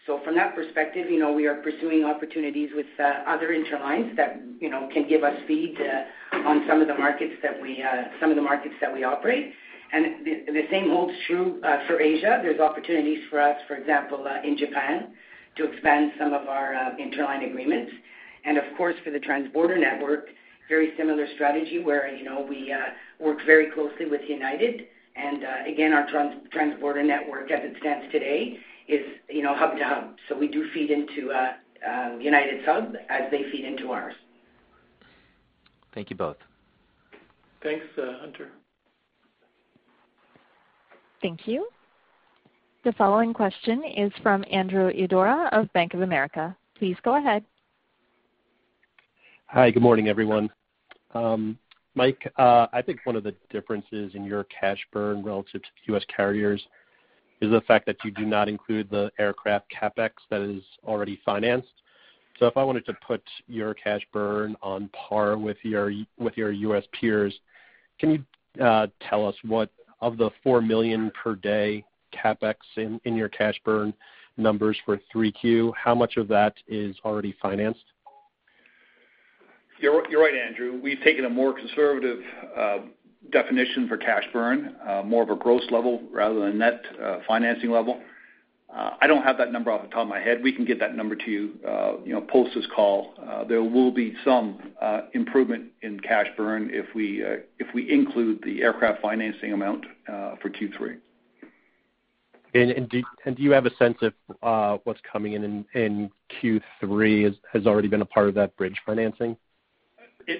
From that perspective, we are pursuing opportunities with other interlines that can give us feed on some of the markets that we operate. The same holds true for Asia. There's opportunities for us, for example, in Japan to expand some of our interline agreements. Of course, for the transborder network, very similar strategy where we work very closely with United. Again, our transborder network as it stands today is hub to hub. We do feed into United's hub as they feed into ours. Thank you both. Thanks, Hunter. Thank you. The following question is from Andrew Didora of Bank of America. Please go ahead. Hi, good morning, everyone. Mike, I think one of the differences in your cash burn relative to the U.S. carriers is the fact that you do not include the aircraft CapEx that is already financed. If I wanted to put your cash burn on par with your U.S. peers, can you tell us what, of the 4 million per day CapEx in your cash burn numbers for 3Q, how much of that is already financed? You're right, Andrew. We've taken a more conservative definition for cash burn, more of a gross level rather than net financing level. I don't have that number off the top of my head. We can get that number to you post this call. There will be some improvement in cash burn if we include the aircraft financing amount for Q3. Do you have a sense of what's coming in in Q3 has already been a part of that bridge financing? That's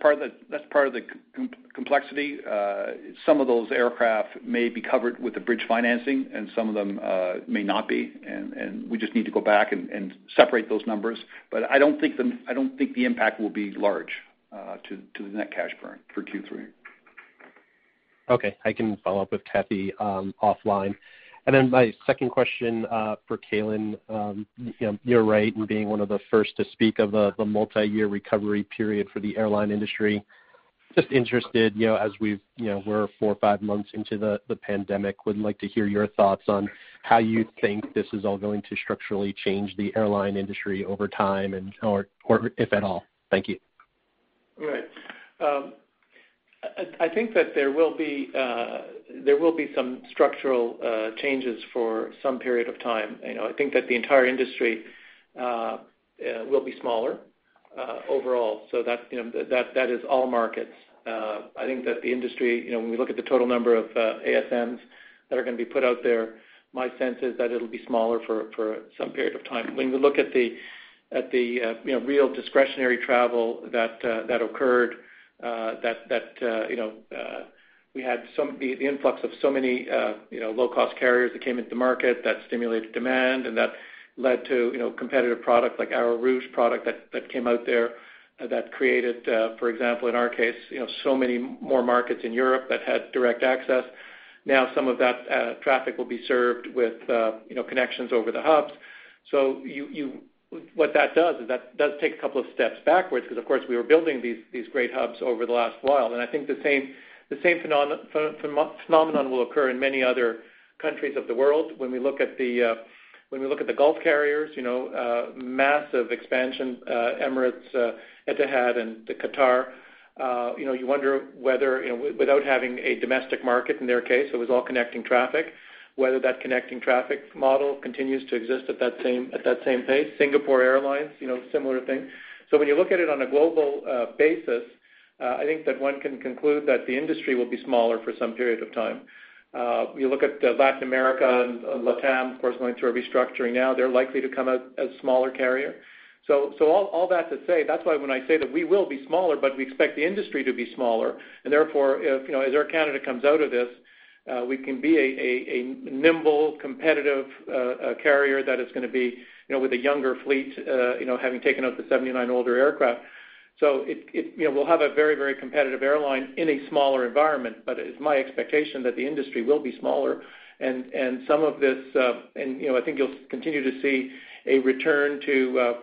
part of the complexity. Some of those aircraft may be covered with the bridge financing and some of them may not be, and we just need to go back and separate those numbers. I don't think the impact will be large to the net cash burn for Q3. Okay, I can follow up with Kathy offline. My second question for Calin, you're right in being one of the first to speak of a multi-year recovery period for the airline industry. Just interested, as we're four or five months into the pandemic, would like to hear your thoughts on how you think this is all going to structurally change the airline industry over time and/or if at all. Thank you. Right. I think that there will be some structural changes for some period of time. I think that the entire industry will be smaller overall. That is all markets. I think that the industry, when we look at the total number of ASMs that are going to be put out there, my sense is that it'll be smaller for some period of time. When we look at the real discretionary travel that occurred, that we had the influx of so many low-cost carriers that came into the market, that stimulated demand, and that led to competitive product like our Rouge product that came out there that created, for example, in our case, so many more markets in Europe that had direct access. Some of that traffic will be served with connections over the hubs. What that does is that does take a couple of steps backwards because, of course, we were building these great hubs over the last while. I think the same phenomenon will occur in many other countries of the world. When we look at the Gulf carriers, massive expansion, Emirates, Etihad, and Qatar. You wonder whether, without having a domestic market in their case, it was all connecting traffic, whether that connecting traffic model continues to exist at that same pace. Singapore Airlines, similar thing. When you look at it on a global basis, I think that one can conclude that the industry will be smaller for some period of time. You look at Latin America and LATAM, of course, going through a restructuring now. They're likely to come out a smaller carrier. All that to say, that's why when I say that we will be smaller, but we expect the industry to be smaller, and therefore, as Air Canada comes out of this, we can be a nimble, competitive carrier that is going to be with a younger fleet, having taken out the 79 older aircraft. We'll have a very competitive airline in a smaller environment, but it's my expectation that the industry will be smaller. I think you'll continue to see a return to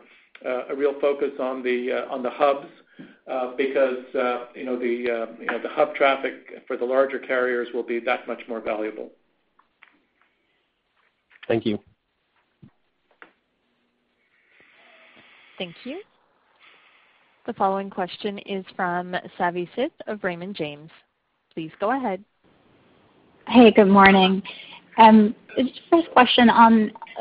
a real focus on the hubs because the hub traffic for the larger carriers will be that much more valuable. Thank you. Thank you. The following question is from Savanthi Syth of Raymond James. Please go ahead. Hey, good morning. Just first question.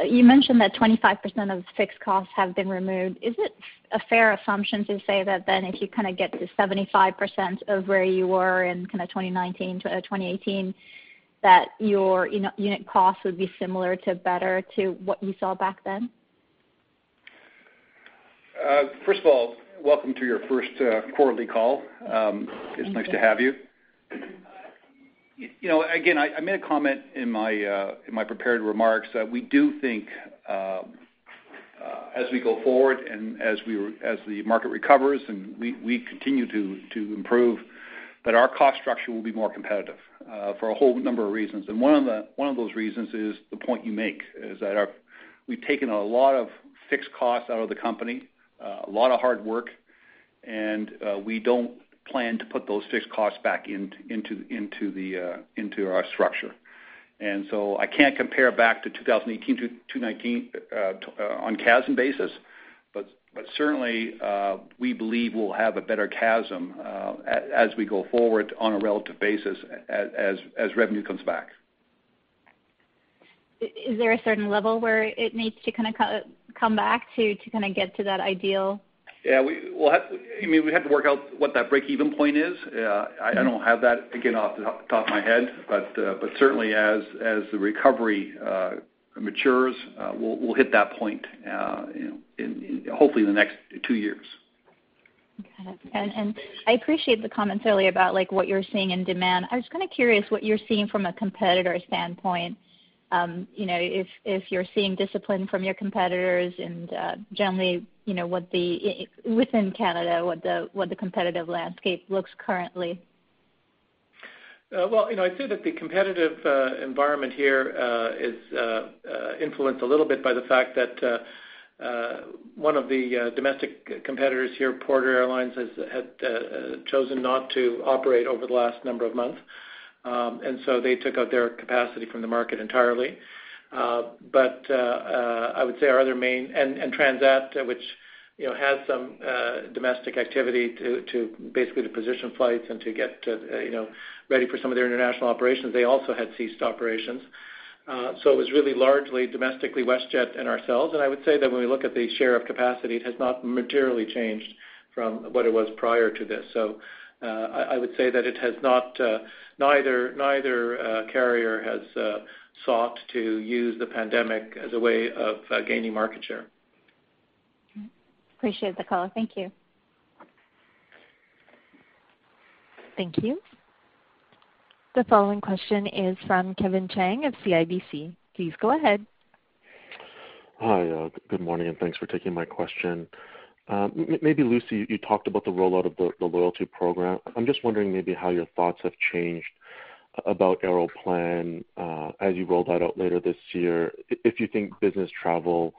You mentioned that 25% of fixed costs have been removed. Is it a fair assumption to say that then if you kind of get to 75% of where you were in kind of 2019-2018, that your unit cost would be similar to better to what you saw back then? First of all, welcome to your first quarterly call. It's nice to have you. I made a comment in my prepared remarks that we do think as we go forward and as the market recovers and we continue to improve that our cost structure will be more competitive for a whole number of reasons. One of those reasons is the point you make, is that we've taken a lot of fixed costs out of the company, a lot of hard work, and we don't plan to put those fixed costs back into our structure. I can't compare back to 2018-2019 on CASM basis, but certainly, we believe we'll have a better CASM as we go forward on a relative basis as revenue comes back. Is there a certain level where it needs to come back to get to that ideal? Yeah. We have to work out what that breakeven point is. I don't have that, again, off the top of my head, but certainly as the recovery matures, we'll hit that point, hopefully in the next two years. Okay. I appreciate the comments earlier about what you're seeing in demand. I was curious what you're seeing from a competitor standpoint, if you're seeing discipline from your competitors and generally, within Canada, what the competitive landscape looks currently. Well, I'd say that the competitive environment here is influenced a little bit by the fact that one of the domestic competitors here, Porter Airlines, had chosen not to operate over the last number of months. They took out their capacity from the market entirely. Transat, which had some domestic activity to basically to position flights and to get ready for some of their international operations, they also had ceased operations. It was really largely domestically WestJet and ourselves, and I would say that when we look at the share of capacity, it has not materially changed from what it was prior to this. I would say that neither carrier has sought to use the pandemic as a way of gaining market share. Appreciate the call. Thank you. Thank you. The following question is from Kevin Chiang of CIBC. Please go ahead. Hi. Good morning, and thanks for taking my question. Maybe Lucie, you talked about the rollout of the loyalty program. I'm just wondering maybe how your thoughts have changed about Aeroplan as you roll that out later this year, if you think business travel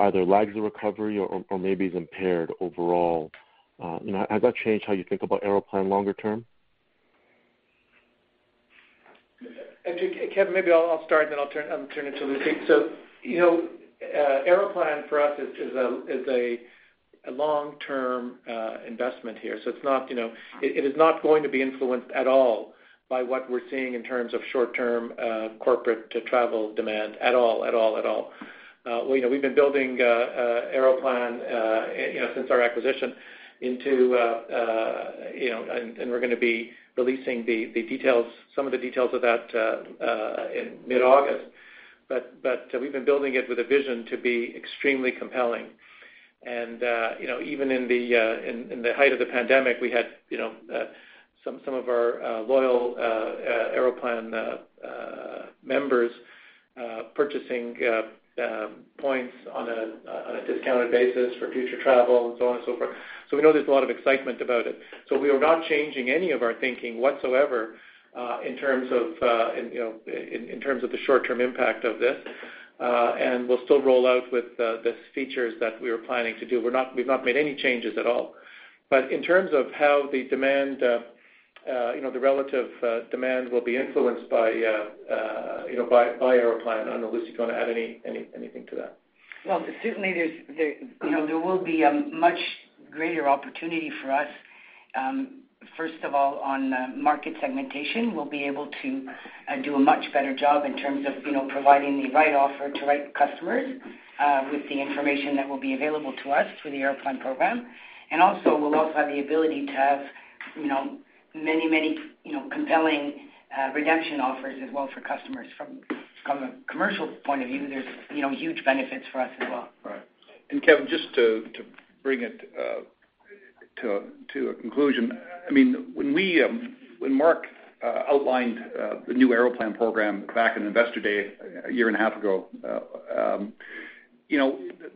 either lags the recovery or maybe is impaired overall. Has that changed how you think about Aeroplan longer term? Kevin, maybe I'll start, then I'll turn it to Lucie. Aeroplan for us is a long-term investment here. It is not going to be influenced at all by what we're seeing in terms of short-term corporate travel demand at all. We've been building Aeroplan since our acquisition and we're going to be releasing some of the details of that in mid-August. We've been building it with a vision to be extremely compelling. Even in the height of the pandemic, we had some of our loyal Aeroplan members purchasing points on a discounted basis for future travel and so on and so forth. We know there's a lot of excitement about it. We are not changing any of our thinking whatsoever in terms of the short-term impact of this. We'll still roll out with the features that we were planning to do. We've not made any changes at all. In terms of how the relative demand will be influenced by Aeroplan, I don't know, Lucie, if you want to add anything to that. Well, certainly there will be a much greater opportunity for us first of all on market segmentation. We'll be able to do a much better job in terms of providing the right offer to right customers with the information that will be available to us through the Aeroplan program. We'll also have the ability to have many compelling redemption offers as well for customers. From a commercial point of view, there's huge benefits for us as well. Right. Kevin, just to bring it to a conclusion, when Mark outlined the new Aeroplan program back in Investor Day a year and a half ago,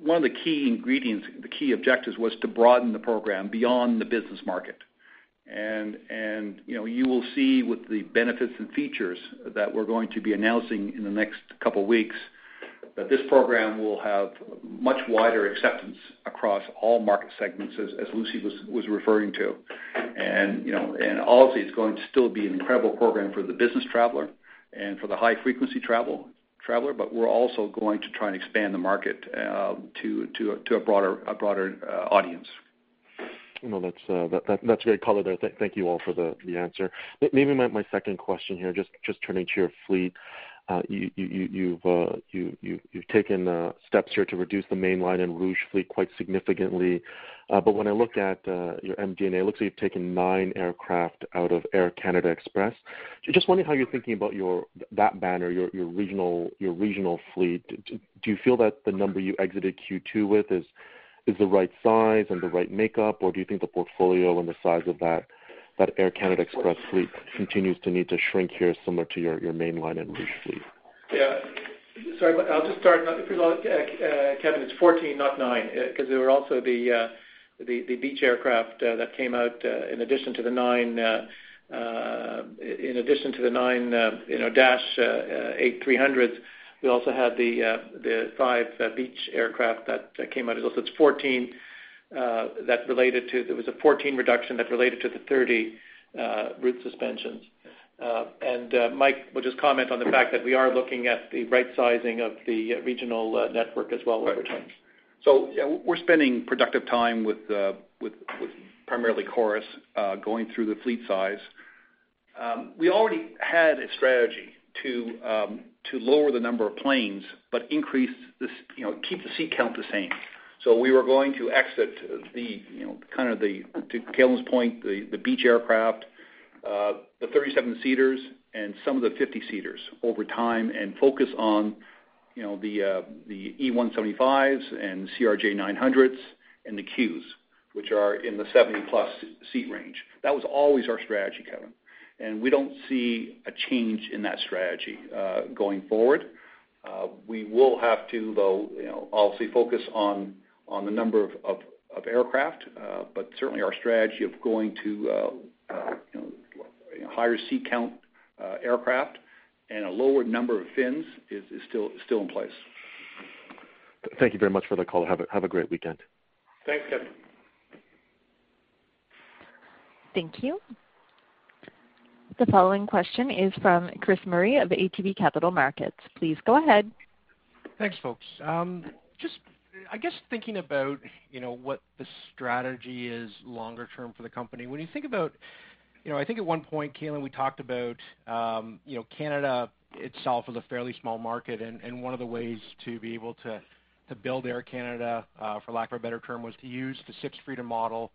one of the key objectives was to broaden the program beyond the business market. You will see with the benefits and features that we're going to be announcing in the next couple of weeks, that this program will have much wider acceptance across all market segments as Lucie was referring to. Obviously, it's going to still be an incredible program for the business traveler and for the high-frequency traveler, we're also going to try and expand the market to a broader audience. That's great color there. Thank you all for the answer. My second question here, just turning to your fleet. You've taken steps here to reduce the mainline and Rouge fleet quite significantly. When I look at your MD&A, looks like you've taken nine aircraft out of Air Canada Express. Just wondering how you're thinking about that banner, your regional fleet. Do you feel that the number you exited Q2 with is the right size and the right makeup, or do you think the portfolio and the size of that Air Canada Express fleet continues to need to shrink here similar to your mainline and Rouge fleet? Sorry, I'll just start. If you like, Kevin, it's 14, not nine, because there were also the Beechcraft aircraft that came out in addition to the nine Dash 8-300s. We also had the five Beechcraft aircraft that came out as well. It's 14. There was a 14 reduction that related to the 30 route suspensions. Mike will just comment on the fact that we are looking at the right sizing of the regional network as well over time. Right. Yeah, we're spending productive time with primarily Chorus, going through the fleet size. We already had a strategy to lower the number of planes, but keep the seat count the same. We were going to exit the, to Calin's point, the Beech aircraft, the 37-seaters and some of the 50-seaters over time and focus on the E175s and CRJ900s and the Qs, which are in the 70+ seat range. That was always our strategy, Kevin, and we don't see a change in that strategy going forward. We will have to, though, obviously focus on the number of aircraft. Certainly, our strategy of going to higher seat count aircraft and a lower number of fins is still in place. Thank you very much for the call. Have a great weekend. Thanks, Kevin. Thank you. The following question is from Chris Murray of ATB Capital Markets. Please go ahead. Thanks, folks. I guess thinking about what the strategy is longer term for the company. When you think about, I think at one point, Calin, we talked about Canada itself is a fairly small market, and one of the ways to be able to build Air Canada, for lack of a better term, was to use the sixth freedom model.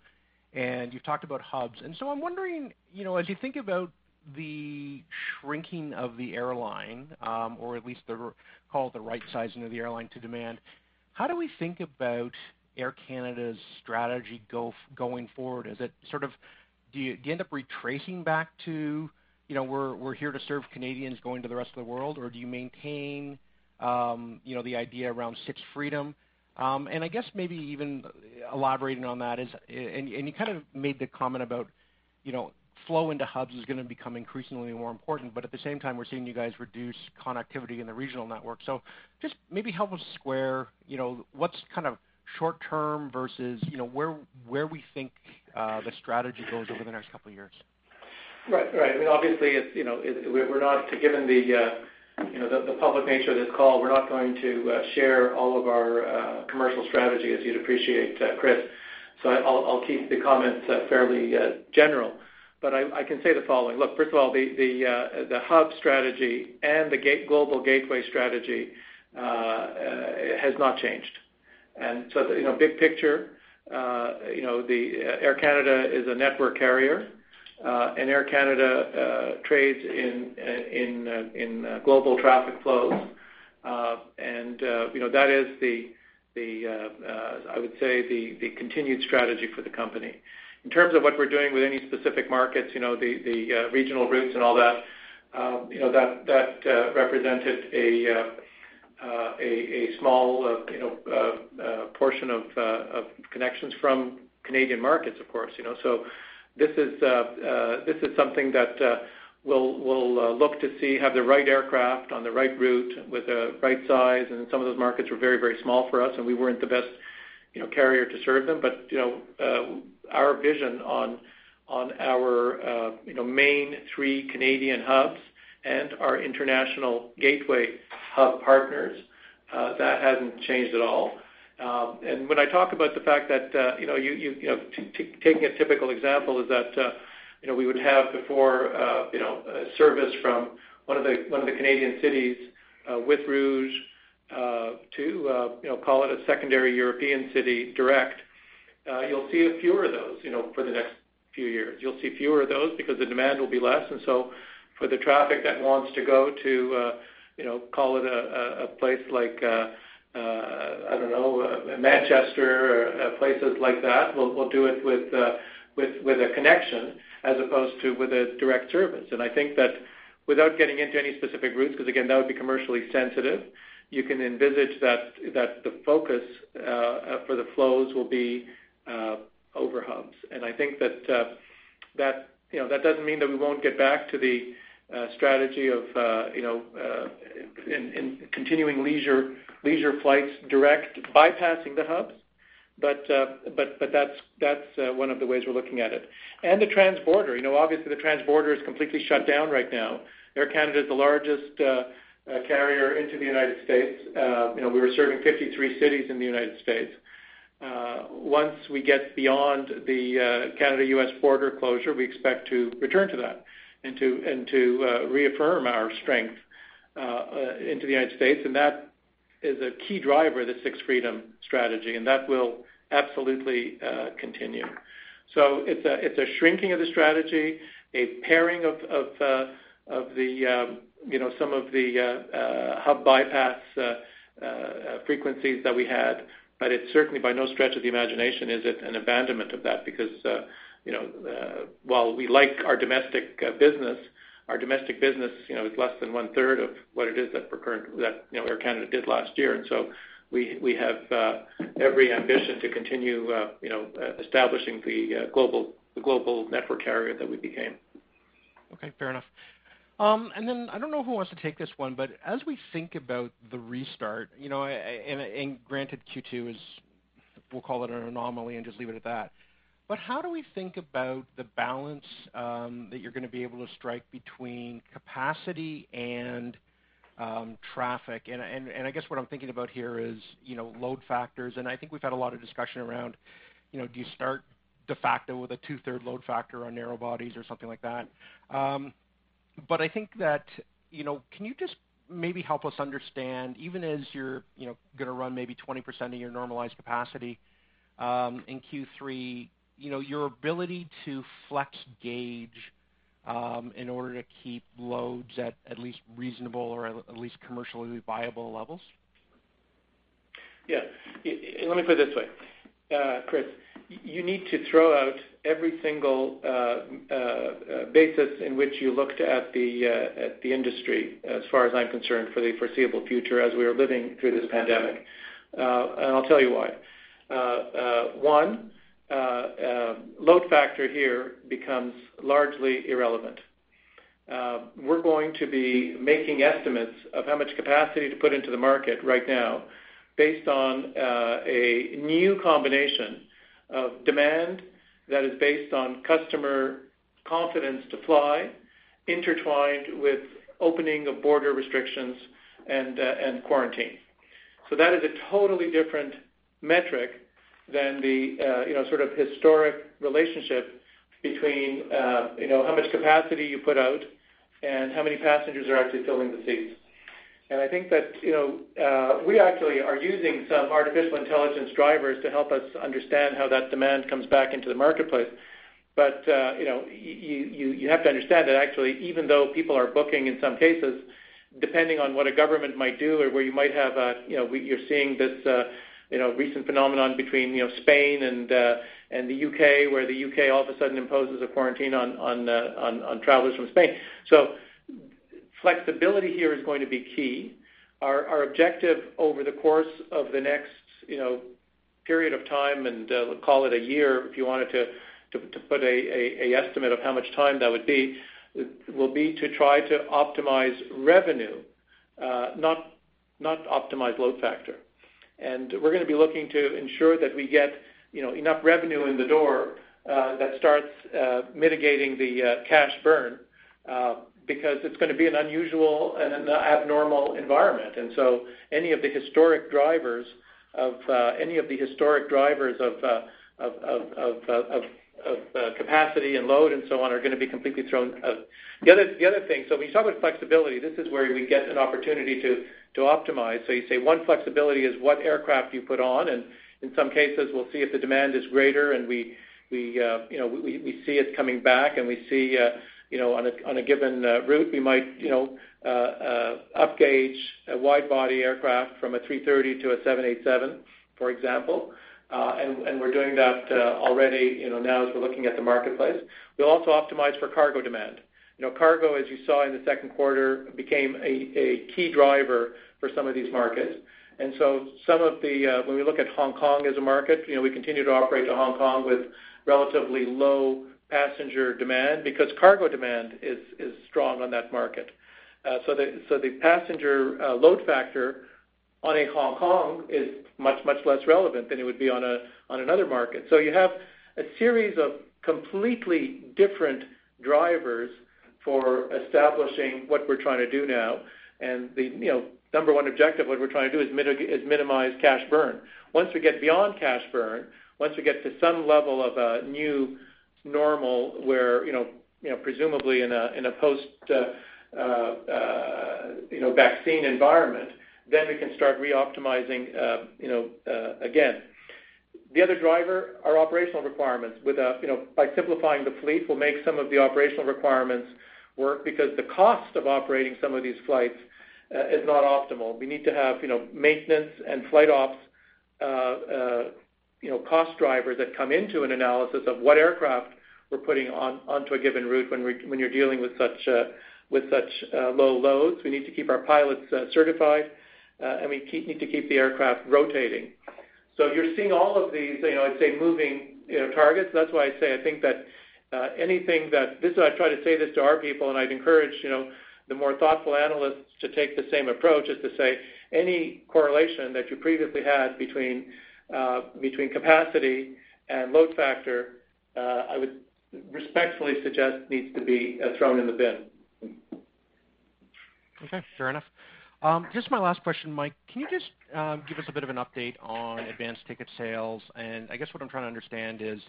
You've talked about hubs. I'm wondering, as you think about the shrinking of the airline, or at least call it the right sizing of the airline to demand, how do we think about Air Canada's strategy going forward? Do you end up retracing back to we're here to serve Canadians going to the rest of the world, or do you maintain the idea around sixth freedom? I guess maybe even elaborating on that is, and you kind of made the comment about flow into hubs is going to become increasingly more important, but at the same time, we're seeing you guys reduce connectivity in the regional network. Just maybe help us square what's kind of short term versus where we think the strategy goes over the next couple of years? Right. Obviously, given the public nature of this call, we're not going to share all of our commercial strategy as you'd appreciate, Chris. I'll keep the comments fairly general, but I can say the following. Look, first of all, the hub strategy and the global gateway strategy has not changed. Big picture, Air Canada is a network carrier, and Air Canada trades in global traffic flows. That is, I would say, the continued strategy for the company. In terms of what we're doing with any specific markets, the regional routes and all that represented a small portion of connections from Canadian markets, of course. This is something that we'll look to see, have the right aircraft on the right route with the right size, and some of those markets were very small for us, and we weren't the best carrier to serve them. Our vision on our main three Canadian hubs and our international gateway hub partners, that hasn't changed at all. When I talk about the fact that taking a typical example is that we would have before a service from one of the Canadian cities with Rouge to call it a secondary European city direct. You'll see fewer of those for the next few years. You'll see fewer of those because the demand will be less. For the traffic that wants to go to call it a place like, I don't know, Manchester or places like that, we'll do it with a connection as opposed to with a direct service. I think that without getting into any specific routes, because again, that would be commercially sensitive, you can envisage that the focus for the flows will be over hubs. I think that doesn't mean that we won't get back to the strategy of continuing leisure flights direct bypassing the hubs, but that's one of the ways we're looking at it. The transborder. Obviously, the transborder is completely shut down right now. Air Canada is the largest carrier into the United States. We were serving 53 cities in the United States. Once we get beyond the Canada-U.S. border closure, we expect to return to that and to reaffirm our strength into the United States, and that is a key driver of the sixth freedom strategy, and that will absolutely continue. It's a shrinking of the strategy, a paring of some of the hub bypass frequencies that we had, but it's certainly by no stretch of the imagination is it an abandonment of that because while we like our domestic business, our domestic business is less than one-third of what it is that Air Canada did last year. We have every ambition to continue establishing the global network carrier that we became. Okay, fair enough. I don't know who wants to take this one, but as we think about the restart, granted Q2 is, we'll call it an anomaly and just leave it at that, but how do we think about the balance that you're going to be able to strike between capacity and traffic? I guess what I'm thinking about here is load factors, and I think we've had a lot of discussion around, do you start de facto with a two-thirds load factor on narrow bodies or something like that? I think that, can you just maybe help us understand, even as you're going to run maybe 20% of your normalized capacity in Q3, your ability to flex gauge in order to keep loads at least reasonable, or at least commercially viable levels? Yeah. Let me put it this way, Chris. You need to throw out every single basis in which you looked at the industry, as far as I'm concerned, for the foreseeable future as we are living through this pandemic. I'll tell you why. One, load factor here becomes largely irrelevant. We're going to be making estimates of how much capacity to put into the market right now based on a new combination of demand that is based on customer confidence to fly, intertwined with opening of border restrictions and quarantine. That is a totally different metric than the sort of historic relationship between how much capacity you put out and how many passengers are actually filling the seats. I think that we actually are using some artificial intelligence drivers to help us understand how that demand comes back into the marketplace. You have to understand that actually, even though people are booking in some cases, depending on what a government might do or where you might have a, you're seeing this recent phenomenon between Spain and the U.K., where the U.K. all of a sudden imposes a quarantine on travelers from Spain. Flexibility here is going to be key. Our objective over the course of the next period of time, and we'll call it a year, if you wanted to put an estimate of how much time that would be, will be to try to optimize revenue, not optimize load factor. We're going to be looking to ensure that we get enough revenue in the door that starts mitigating the cash burn because it's going to be an unusual and an abnormal environment. Any of the historic drivers of capacity and load and so on are going to be completely thrown out. The other thing, when you talk about flexibility, this is where we get an opportunity to optimize. You say one flexibility is what aircraft you put on, and in some cases, we'll see if the demand is greater and we see it coming back and we see on a given route, we might up gauge a wide body aircraft from an A330 to A787, for example, and we're doing that already now as we're looking at the marketplace. We'll also optimize for cargo demand. Cargo, as you saw in the second quarter, became a key driver for some of these markets. When we look at Hong Kong as a market, we continue to operate to Hong Kong with relatively low passenger demand because cargo demand is strong on that market. The passenger load factor on a Hong Kong is much less relevant than it would be on another market. You have a series of completely different drivers for establishing what we're trying to do now, and the number one objective, what we're trying to do is minimize cash burn. Once we get beyond cash burn, once we get to some level of a new normal where presumably in a post-vaccine environment, we can start re-optimizing again. The other driver are operational requirements. By simplifying the fleet, we'll make some of the operational requirements work because the cost of operating some of these flights is not optimal. We need to have maintenance and flight ops cost drivers that come into an analysis of what aircraft we're putting onto a given route when you're dealing with such low loads. We need to keep our pilots certified, and we need to keep the aircraft rotating. You're seeing all of these, I'd say moving targets. That's why I say I think that I try to say this to our people, and I'd encourage the more thoughtful analysts to take the same approach, is to say any correlation that you previously had between capacity and load factor, I would respectfully suggest needs to be thrown in the bin. Okay, fair enough. Just my last question, Mike, can you just give us a bit of an update on advanced ticket sales? I guess what I'm trying to understand is,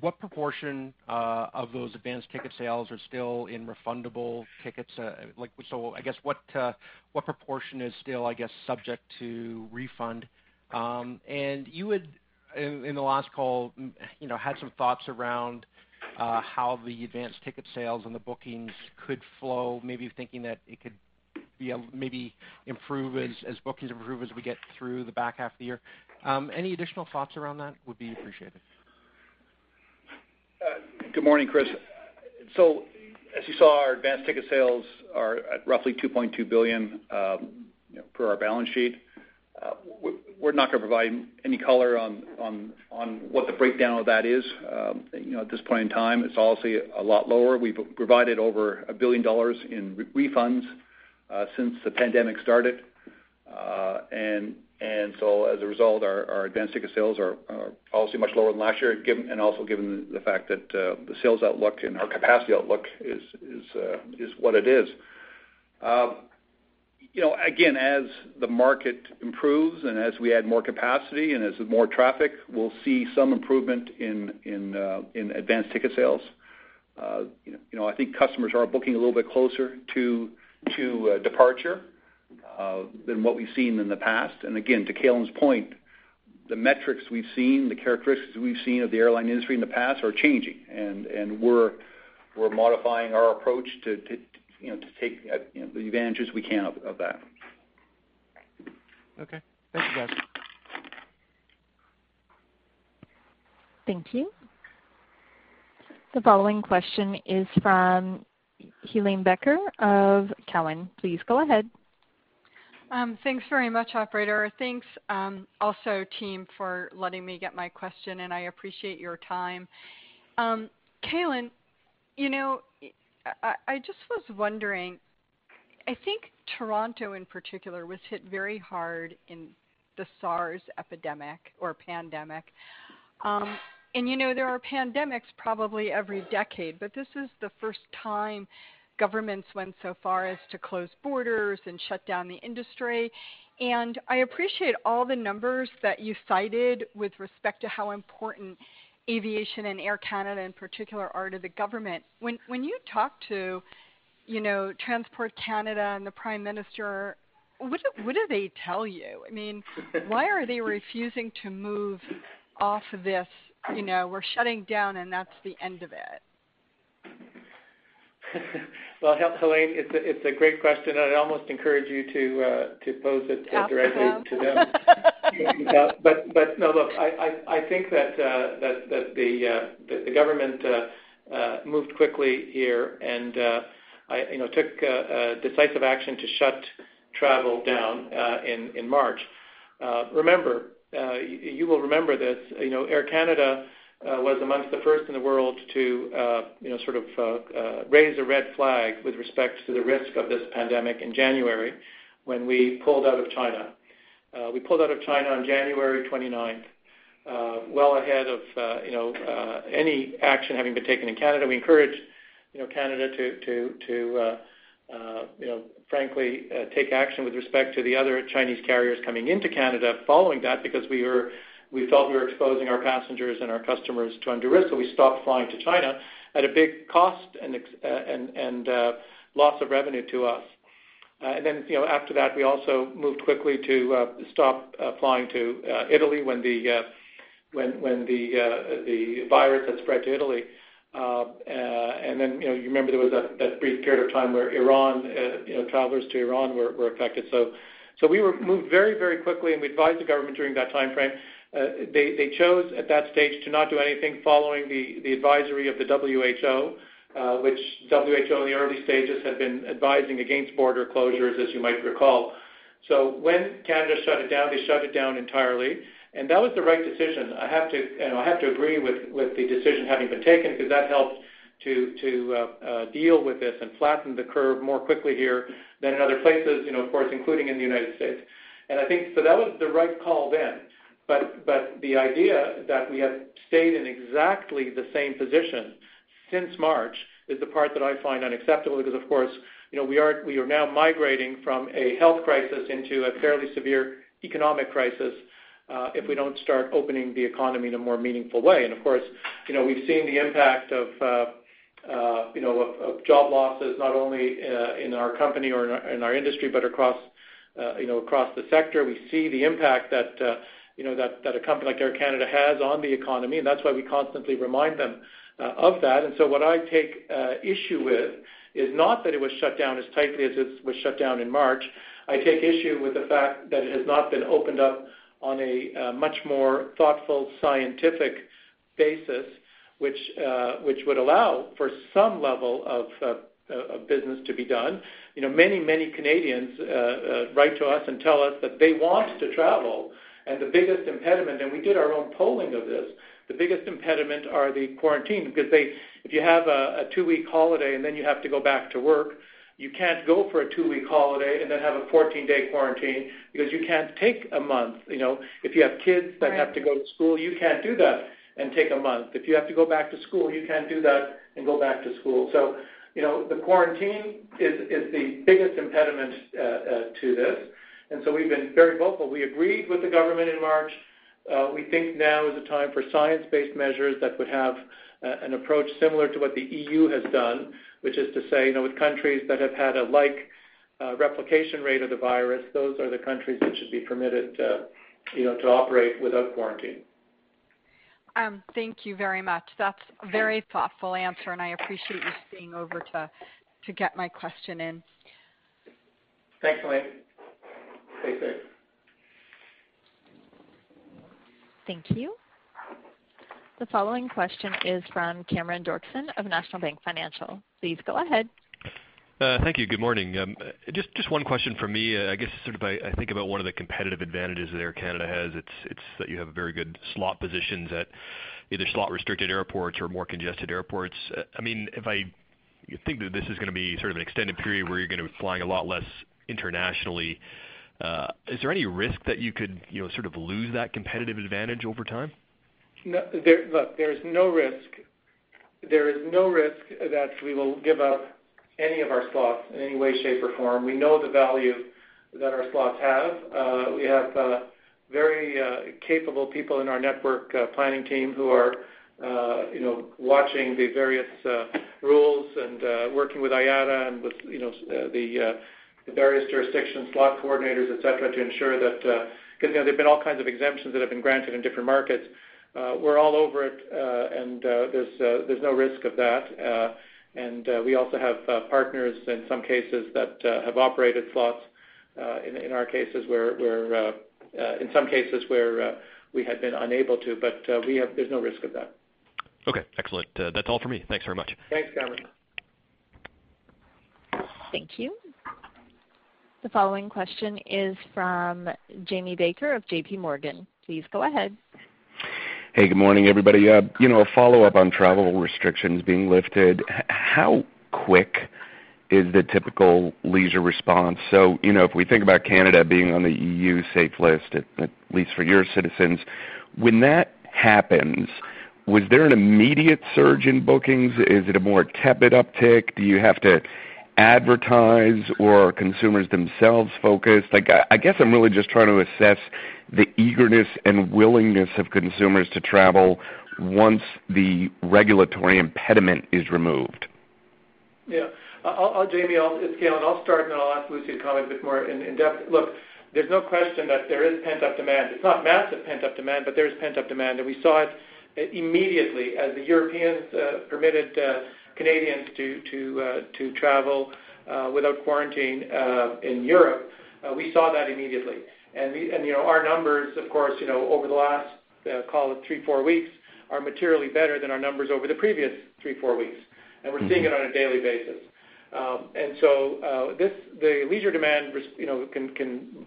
what proportion of those advanced ticket sales are still in refundable tickets? I guess what proportion is still, I guess, subject to refund? You had, in the last call, had some thoughts around how the advanced ticket sales and the bookings could flow, thinking that it could improve as bookings improve as we get through the back half of the year. Any additional thoughts around that would be appreciated. Good morning, Chris. As you saw, our advanced ticket sales are at roughly 2.2 billion per our balance sheet. We're not going to provide any color on what the breakdown of that is. At this point in time, it's obviously a lot lower. We've provided over 1 billion dollars in refunds since the pandemic started. As a result, our advanced ticket sales are obviously much lower than last year, also given the fact that the sales outlook and our capacity outlook is what it is. As the market improves and as we add more capacity and as with more traffic, we'll see some improvement in advanced ticket sales. I think customers are booking a little bit closer to departure than what we've seen in the past. To Calin's point, the metrics we've seen, the characteristics we've seen of the airline industry in the past are changing, and we're modifying our approach to take the advantages we can of that. Okay. Thanks, guys. Thank you. The following question is from Helane Becker of Cowen. Please go ahead. Thanks very much, operator. Thanks also, team, for letting me get my question, and I appreciate your time. Calin, I just was wondering, I think Toronto, in particular, was hit very hard in the SARS epidemic or pandemic. There are pandemics probably every decade, but this is the first time governments went so far as to close borders and shut down the industry. I appreciate all the numbers that you cited with respect to how important aviation and Air Canada, in particular, are to the government. When you talk to Transport Canada and the Prime Minister, what do they tell you? I mean, why are they refusing to move off this, "We're shutting down, and that's the end of it"? Well, Helane, it's a great question. I'd almost encourage you to pose it directly to them. No, look, I think that the government moved quickly here and took decisive action to shut travel down in March. You will remember this. Air Canada was amongst the first in the world to sort of raise a red flag with respect to the risk of this pandemic in January when we pulled out of China. We pulled out of China on January 29th, 2020. Well ahead of any action having been taken in Canada. We encouraged Canada to frankly take action with respect to the other Chinese carriers coming into Canada following that because we felt we were exposing our passengers and our customers to undue risk. We stopped flying to China at a big cost and loss of revenue to us. After that, we also moved quickly to stop flying to Italy when the virus had spread to Italy. You remember there was that brief period of time where travelers to Iran were affected. We moved very quickly, and we advised the government during that time frame. They chose, at that stage, to not do anything following the advisory of the WHO, which WHO in the early stages had been advising against border closures, as you might recall. When Canada shut it down, they shut it down entirely, and that was the right decision. I have to agree with the decision having been taken because that helped to deal with this and flatten the curve more quickly here than in other places, of course, including in the United States. That was the right call then. The idea that we have stayed in exactly the same position since March is the part that I find unacceptable because, of course, we are now migrating from a health crisis into a fairly severe economic crisis if we don't start opening the economy in a more meaningful way. Of course, we've seen the impact of job losses not only in our company or in our industry but across the sector. We see the impact that a company like Air Canada has on the economy, and that's why we constantly remind them of that. What I take issue with is not that it was shut down as tightly as it was shut down in March. I take issue with the fact that it has not been opened up on a much more thoughtful scientific basis, which would allow for some level of business to be done. Many Canadians write to us and tell us that they want to travel, and we did our own polling of this. The biggest impediment are the quarantines because if you have a two-week holiday and then you have to go back to work, you can't go for a two-week holiday and then have a 14-day quarantine because you can't take a month. If you have kids that have to go to school, you can't do that and take a month. If you have to go back to school, you can't do that and go back to school. The quarantine is the biggest impediment to this, and so we've been very vocal. We agreed with the government in March. We think now is the time for science-based measures that would have an approach similar to what the EU has done, which is to say with countries that have had a like replication rate of the virus, those are the countries that should be permitted to operate without quarantine. Thank you very much. That's a very thoughtful answer, and I appreciate you staying over to get my question in. Thanks, Helane. Stay safe. Thank you. The following question is from Cameron Doerksen of National Bank Financial. Please go ahead. Thank you. Good morning. Just one question from me. I guess, I think about one of the competitive advantages that Air Canada has, it's that you have very good slot positions at either slot-restricted airports or more congested airports. If I think that this is going to be sort of an extended period where you're going to be flying a lot less internationally, is there any risk that you could lose that competitive advantage over time? Look, there is no risk that we will give up any of our slots in any way, shape, or form. We know the value that our slots have. We have very capable people in our network planning team who are watching the various rules and working with IATA and with the various jurisdiction slot coordinators, et cetera, to ensure that, because there've been all kinds of exemptions that have been granted in different markets. We're all over it, and there's no risk of that. We also have partners in some cases that have operated slots, in some cases where we had been unable to, but there's no risk of that. Okay, excellent. That's all for me. Thanks very much. Thanks, Cameron. Thank you. The following question is from Jamie Baker of JPMorgan. Please go ahead. Hey, good morning, everybody. A follow-up on travel restrictions being lifted. How quick is the typical leisure response? If we think about Canada being on the EU safe list, at least for your citizens, when that happens, was there an immediate surge in bookings? Is it a more tepid uptick? Do you have to advertise or are consumers themselves focused? I guess I'm really just trying to assess the eagerness and willingness of consumers to travel once the regulatory impediment is removed. Yeah. Jamie, it's Calin. I'll start and then I'll ask Lucie to comment a bit more in-depth. Look, there's no question that there is pent-up demand. It's not massive pent-up demand, but there is pent-up demand, and we saw it immediately as the Europeans permitted Canadians to travel without quarantine in Europe. We saw that immediately. Our numbers, of course, over the last, call it three, four weeks, are materially better than our numbers over the previous three, four weeks, and we're seeing it on a daily basis. The leisure demand can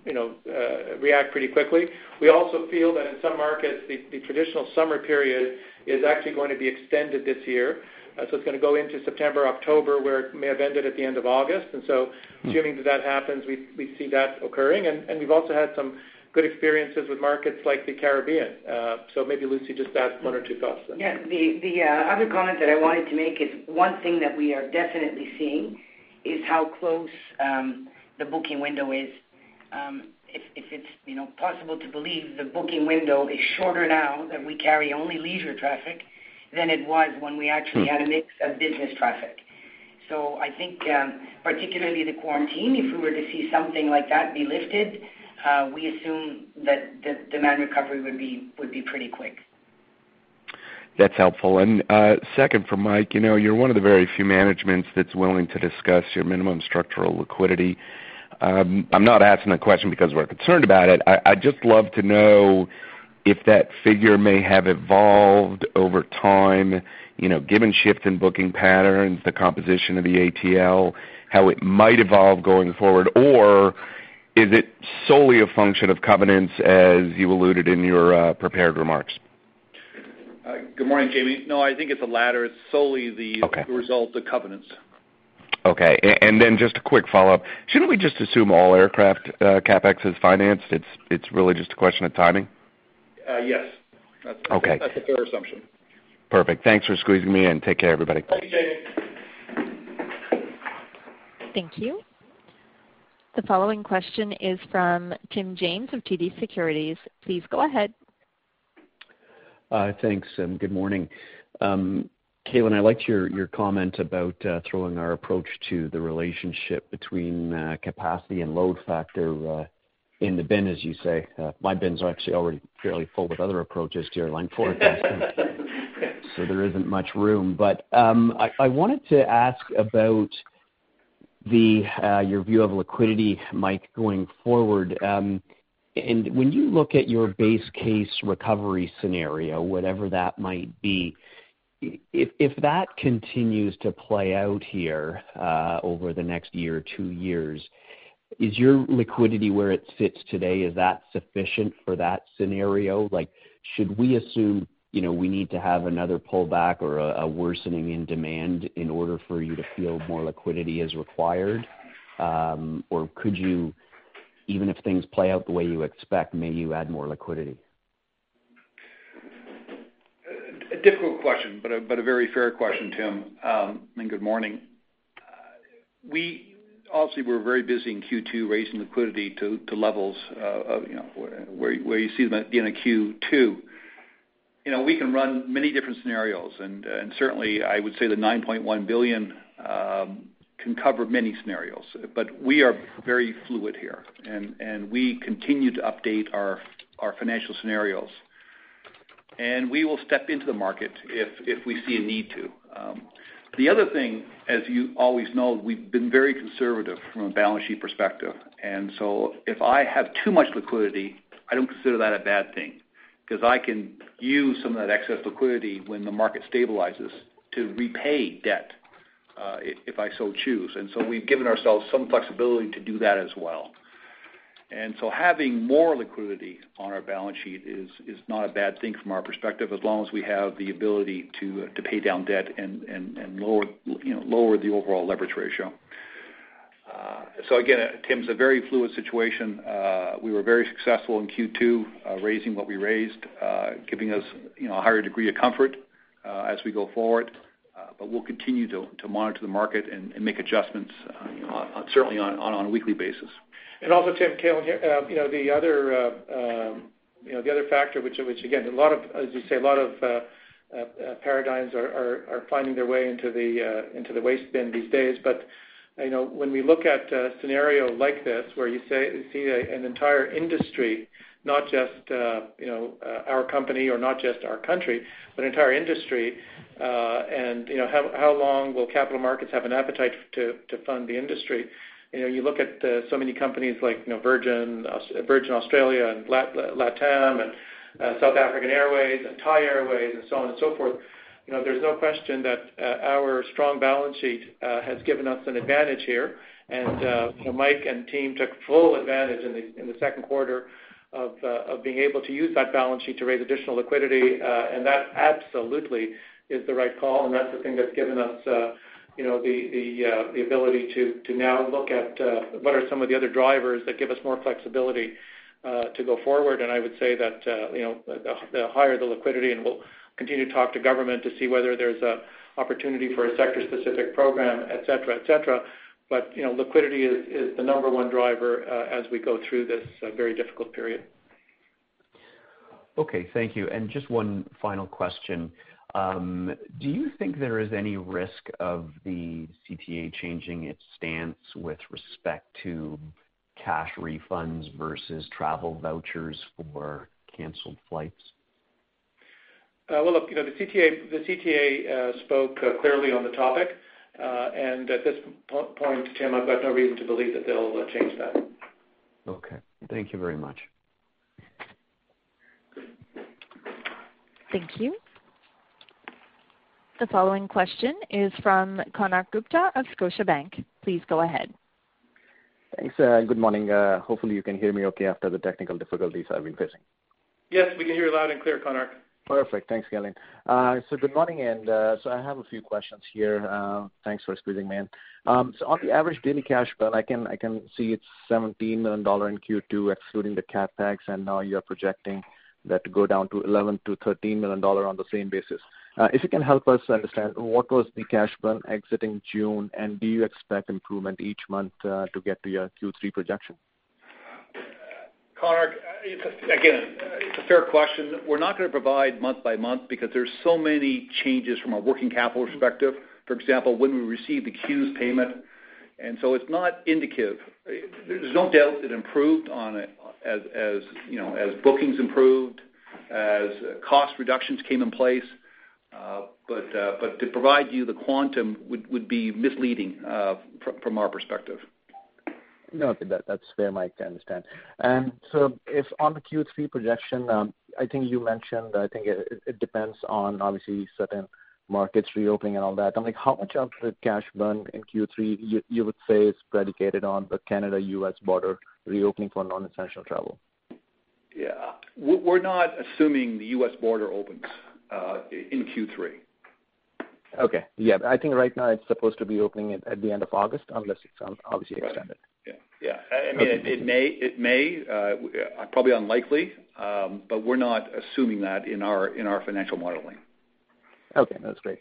react pretty quickly. We also feel that in some markets, the traditional summer period is actually going to be extended this year. It's going to go into September, October, where it may have ended at the end of August. Assuming that that happens, we see that occurring. We've also had some good experiences with markets like the Caribbean. Maybe Lucie just to add one or two thoughts there. Yeah. The other comment that I wanted to make is one thing that we are definitely seeing is how close the booking window is. If it's possible to believe the booking window is shorter now that we carry only leisure traffic than it was when we actually had a mix of business traffic. I think particularly the quarantine, if we were to see something like that be lifted, we assume that the demand recovery would be pretty quick. That's helpful. Second for Mike, you're one of the very few managements that's willing to discuss your minimum structural liquidity. I'm not asking the question because we're concerned about it. I'd just love to know if that figure may have evolved over time, given shift in booking patterns, the composition of the ATL, how it might evolve going forward, or is it solely a function of covenants as you alluded in your prepared remarks? Good morning, Jamie. No, I think it's the latter. Okay. result of covenants. Okay. Just a quick follow-up. Shouldn't we just assume all aircraft CapEx is financed? It's really just a question of timing? Yes. Okay. That's a fair assumption. Perfect. Thanks for squeezing me in. Take care, everybody. Thanks, Jamie. Thank you. The following question is from Tim James of TD Securities. Please go ahead. Thanks, good morning. Calin, I liked your comment about throwing our approach to the relationship between capacity and load factor in the bin, as you say. My bins are actually already fairly full with other approaches to airline forecasting. There isn't much room. I wanted to ask about your view of liquidity, Mike, going forward. When you look at your base case recovery scenario, whatever that might be, if that continues to play out here over the next year or two years, is your liquidity where it sits today, is that sufficient for that scenario? Should we assume we need to have another pullback or a worsening in demand in order for you to feel more liquidity is required? Could you, even if things play out the way you expect, may you add more liquidity? A difficult question, a very fair question, Tim. Good morning. Obviously, we're very busy in Q2 raising liquidity to levels where you see them at the end of Q2. We can run many different scenarios, certainly, I would say the 9.1 billion can cover many scenarios. We are very fluid here, we continue to update our financial scenarios. We will step into the market if we see a need to. The other thing, as you always know, we've been very conservative from a balance sheet perspective. If I have too much liquidity, I don't consider that a bad thing, because I can use some of that excess liquidity when the market stabilizes to repay debt, if I so choose. We've given ourselves some flexibility to do that as well. Having more liquidity on our balance sheet is not a bad thing from our perspective, as long as we have the ability to pay down debt and lower the overall leverage ratio. Again, Tim, it's a very fluid situation. We were very successful in Q2, raising what we raised, giving us a higher degree of comfort as we go forward. We'll continue to monitor the market and make adjustments, certainly on a weekly basis. Also, Tim, Calin here. The other factor which, again, as you say, a lot of paradigms are finding their way into the waste bin these days. When we look at a scenario like this, where you see an entire industry, not just our company or not just our country, but an entire industry, and how long will capital markets have an appetite to fund the industry? You look at so many companies like Virgin Australia and LATAM and South African Airways and Thai Airways and so on and so forth. There's no question that our strong balance sheet has given us an advantage here. Mike and team took full advantage in the second quarter of being able to use that balance sheet to raise additional liquidity, and that absolutely is the right call, and that's the thing that's given us the ability to now look at what are some of the other drivers that give us more flexibility to go forward. I would say that the higher the liquidity, and we'll continue to talk to government to see whether there's an opportunity for a sector-specific program, et cetera. Liquidity is the number one driver as we go through this very difficult period. Okay, thank you. Just one final question. Do you think there is any risk of the CTA changing its stance with respect to cash refunds versus travel vouchers for canceled flights? Well, look, the CTA spoke clearly on the topic, and at this point, Tim, I've got no reason to believe that they'll change that. Okay. Thank you very much. Thank you. The following question is from Konark Gupta of Scotiabank. Please go ahead. Thanks. Good morning. Hopefully, you can hear me okay after the technical difficulties I've been facing. Yes, we can hear you loud and clear, Konark. Perfect. Thanks, Calin. Good morning. I have a few questions here. Thanks for squeezing me in. On the average daily cash burn, I can see it's 17 million dollar in Q2, excluding the CapEx, and now you're projecting that to go down to 11 million-13 million dollar on the same basis. If you can help us understand what was the cash burn exiting June, and do you expect improvement each month to get to your Q3 projection? Konark, again, it's a fair question. We're not going to provide month by month because there's so many changes from a working capital perspective, for example, when we receive the CEWS payment. It's not indicative. There's no doubt it improved on it as bookings improved, as cost reductions came in place. To provide you the quantum would be misleading from our perspective. No, that's fair, Mike. I understand. If on the Q3 projection, I think you mentioned, I think it depends on obviously certain markets reopening and all that. How much of the cash burn in Q3 you would say is predicated on the Canada-U.S. border reopening for non-essential travel? Yeah. We're not assuming the U.S. border opens in Q3. Okay. Yeah. I think right now it's supposed to be opening at the end of August, unless it's obviously extended. Yeah. It may, probably unlikely. We're not assuming that in our financial modeling. Okay, that's great.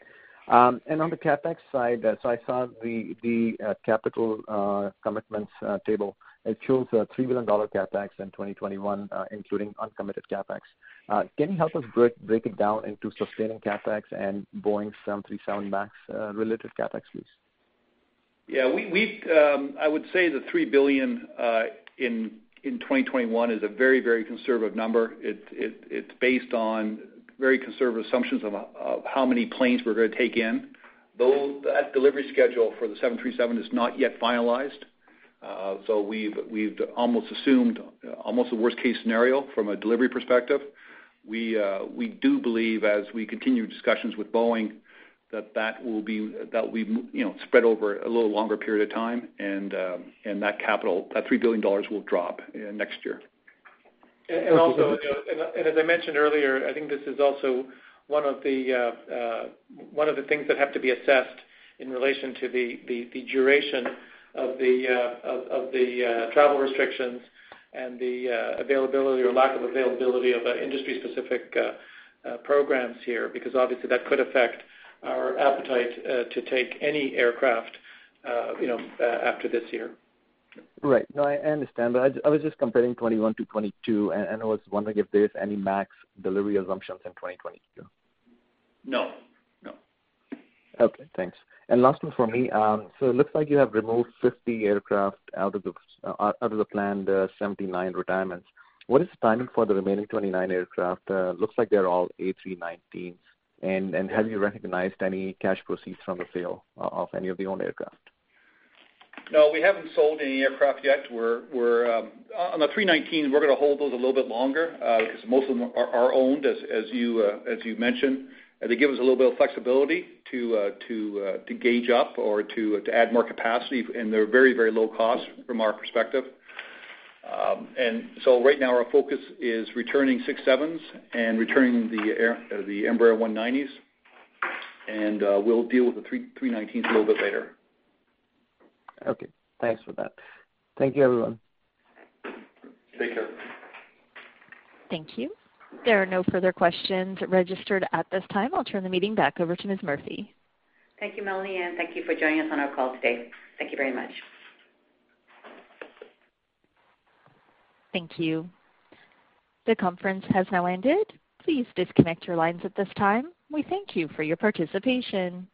On the CapEx side, I saw the capital commitments table. It shows a 3 billion dollar CapEx in 2021, including uncommitted CapEx. Can you help us break it down into sustaining CapEx and Boeing 737 MAX related CapEx, please? Yeah. I would say the 3 billion in 2021 is a very conservative number. It's based on very conservative assumptions of how many planes we're going to take in, though that delivery schedule for the Boeing 737 is not yet finalized. We've almost assumed almost a worst-case scenario from a delivery perspective. We do believe, as we continue discussions with Boeing, that that will be spread over a little longer period of time, and that capital, that 3 billion dollars, will drop next year. Also, as I mentioned earlier, I think this is also one of the things that have to be assessed in relation to the duration of the travel restrictions and the availability or lack of availability of industry-specific programs here, because obviously that could affect our appetite to take any aircraft after this year. Right. No, I understand. I was just comparing 2021 to 2022, and I was wondering if there's any MAX delivery assumptions in 2022. No. Okay, thanks. Last one for me. It looks like you have removed 50 aircraft out of the planned 79 retirements. What is the timing for the remaining 29 aircraft? Looks like they're all A319s. Have you recognized any cash proceeds from the sale of any of the owned aircraft? No, we haven't sold any aircraft yet. On the 319s, we're going to hold those a little bit longer because most of them are owned, as you mentioned. They give us a little bit of flexibility to gauge up or to add more capacity. They're very low cost from our perspective. Right now our focus is returning 67s and returning the Embraer 190s, and we'll deal with the 319s a little bit later. Okay. Thanks for that. Thank you, everyone. Take care. Thank you. There are no further questions registered at this time. I'll turn the meeting back over to Ms. Murphy. Thank you, Melanie, and thank you for joining us on our call today. Thank you very much. Thank you. The conference has now ended. Please disconnect your lines at this time. We thank you for your participation.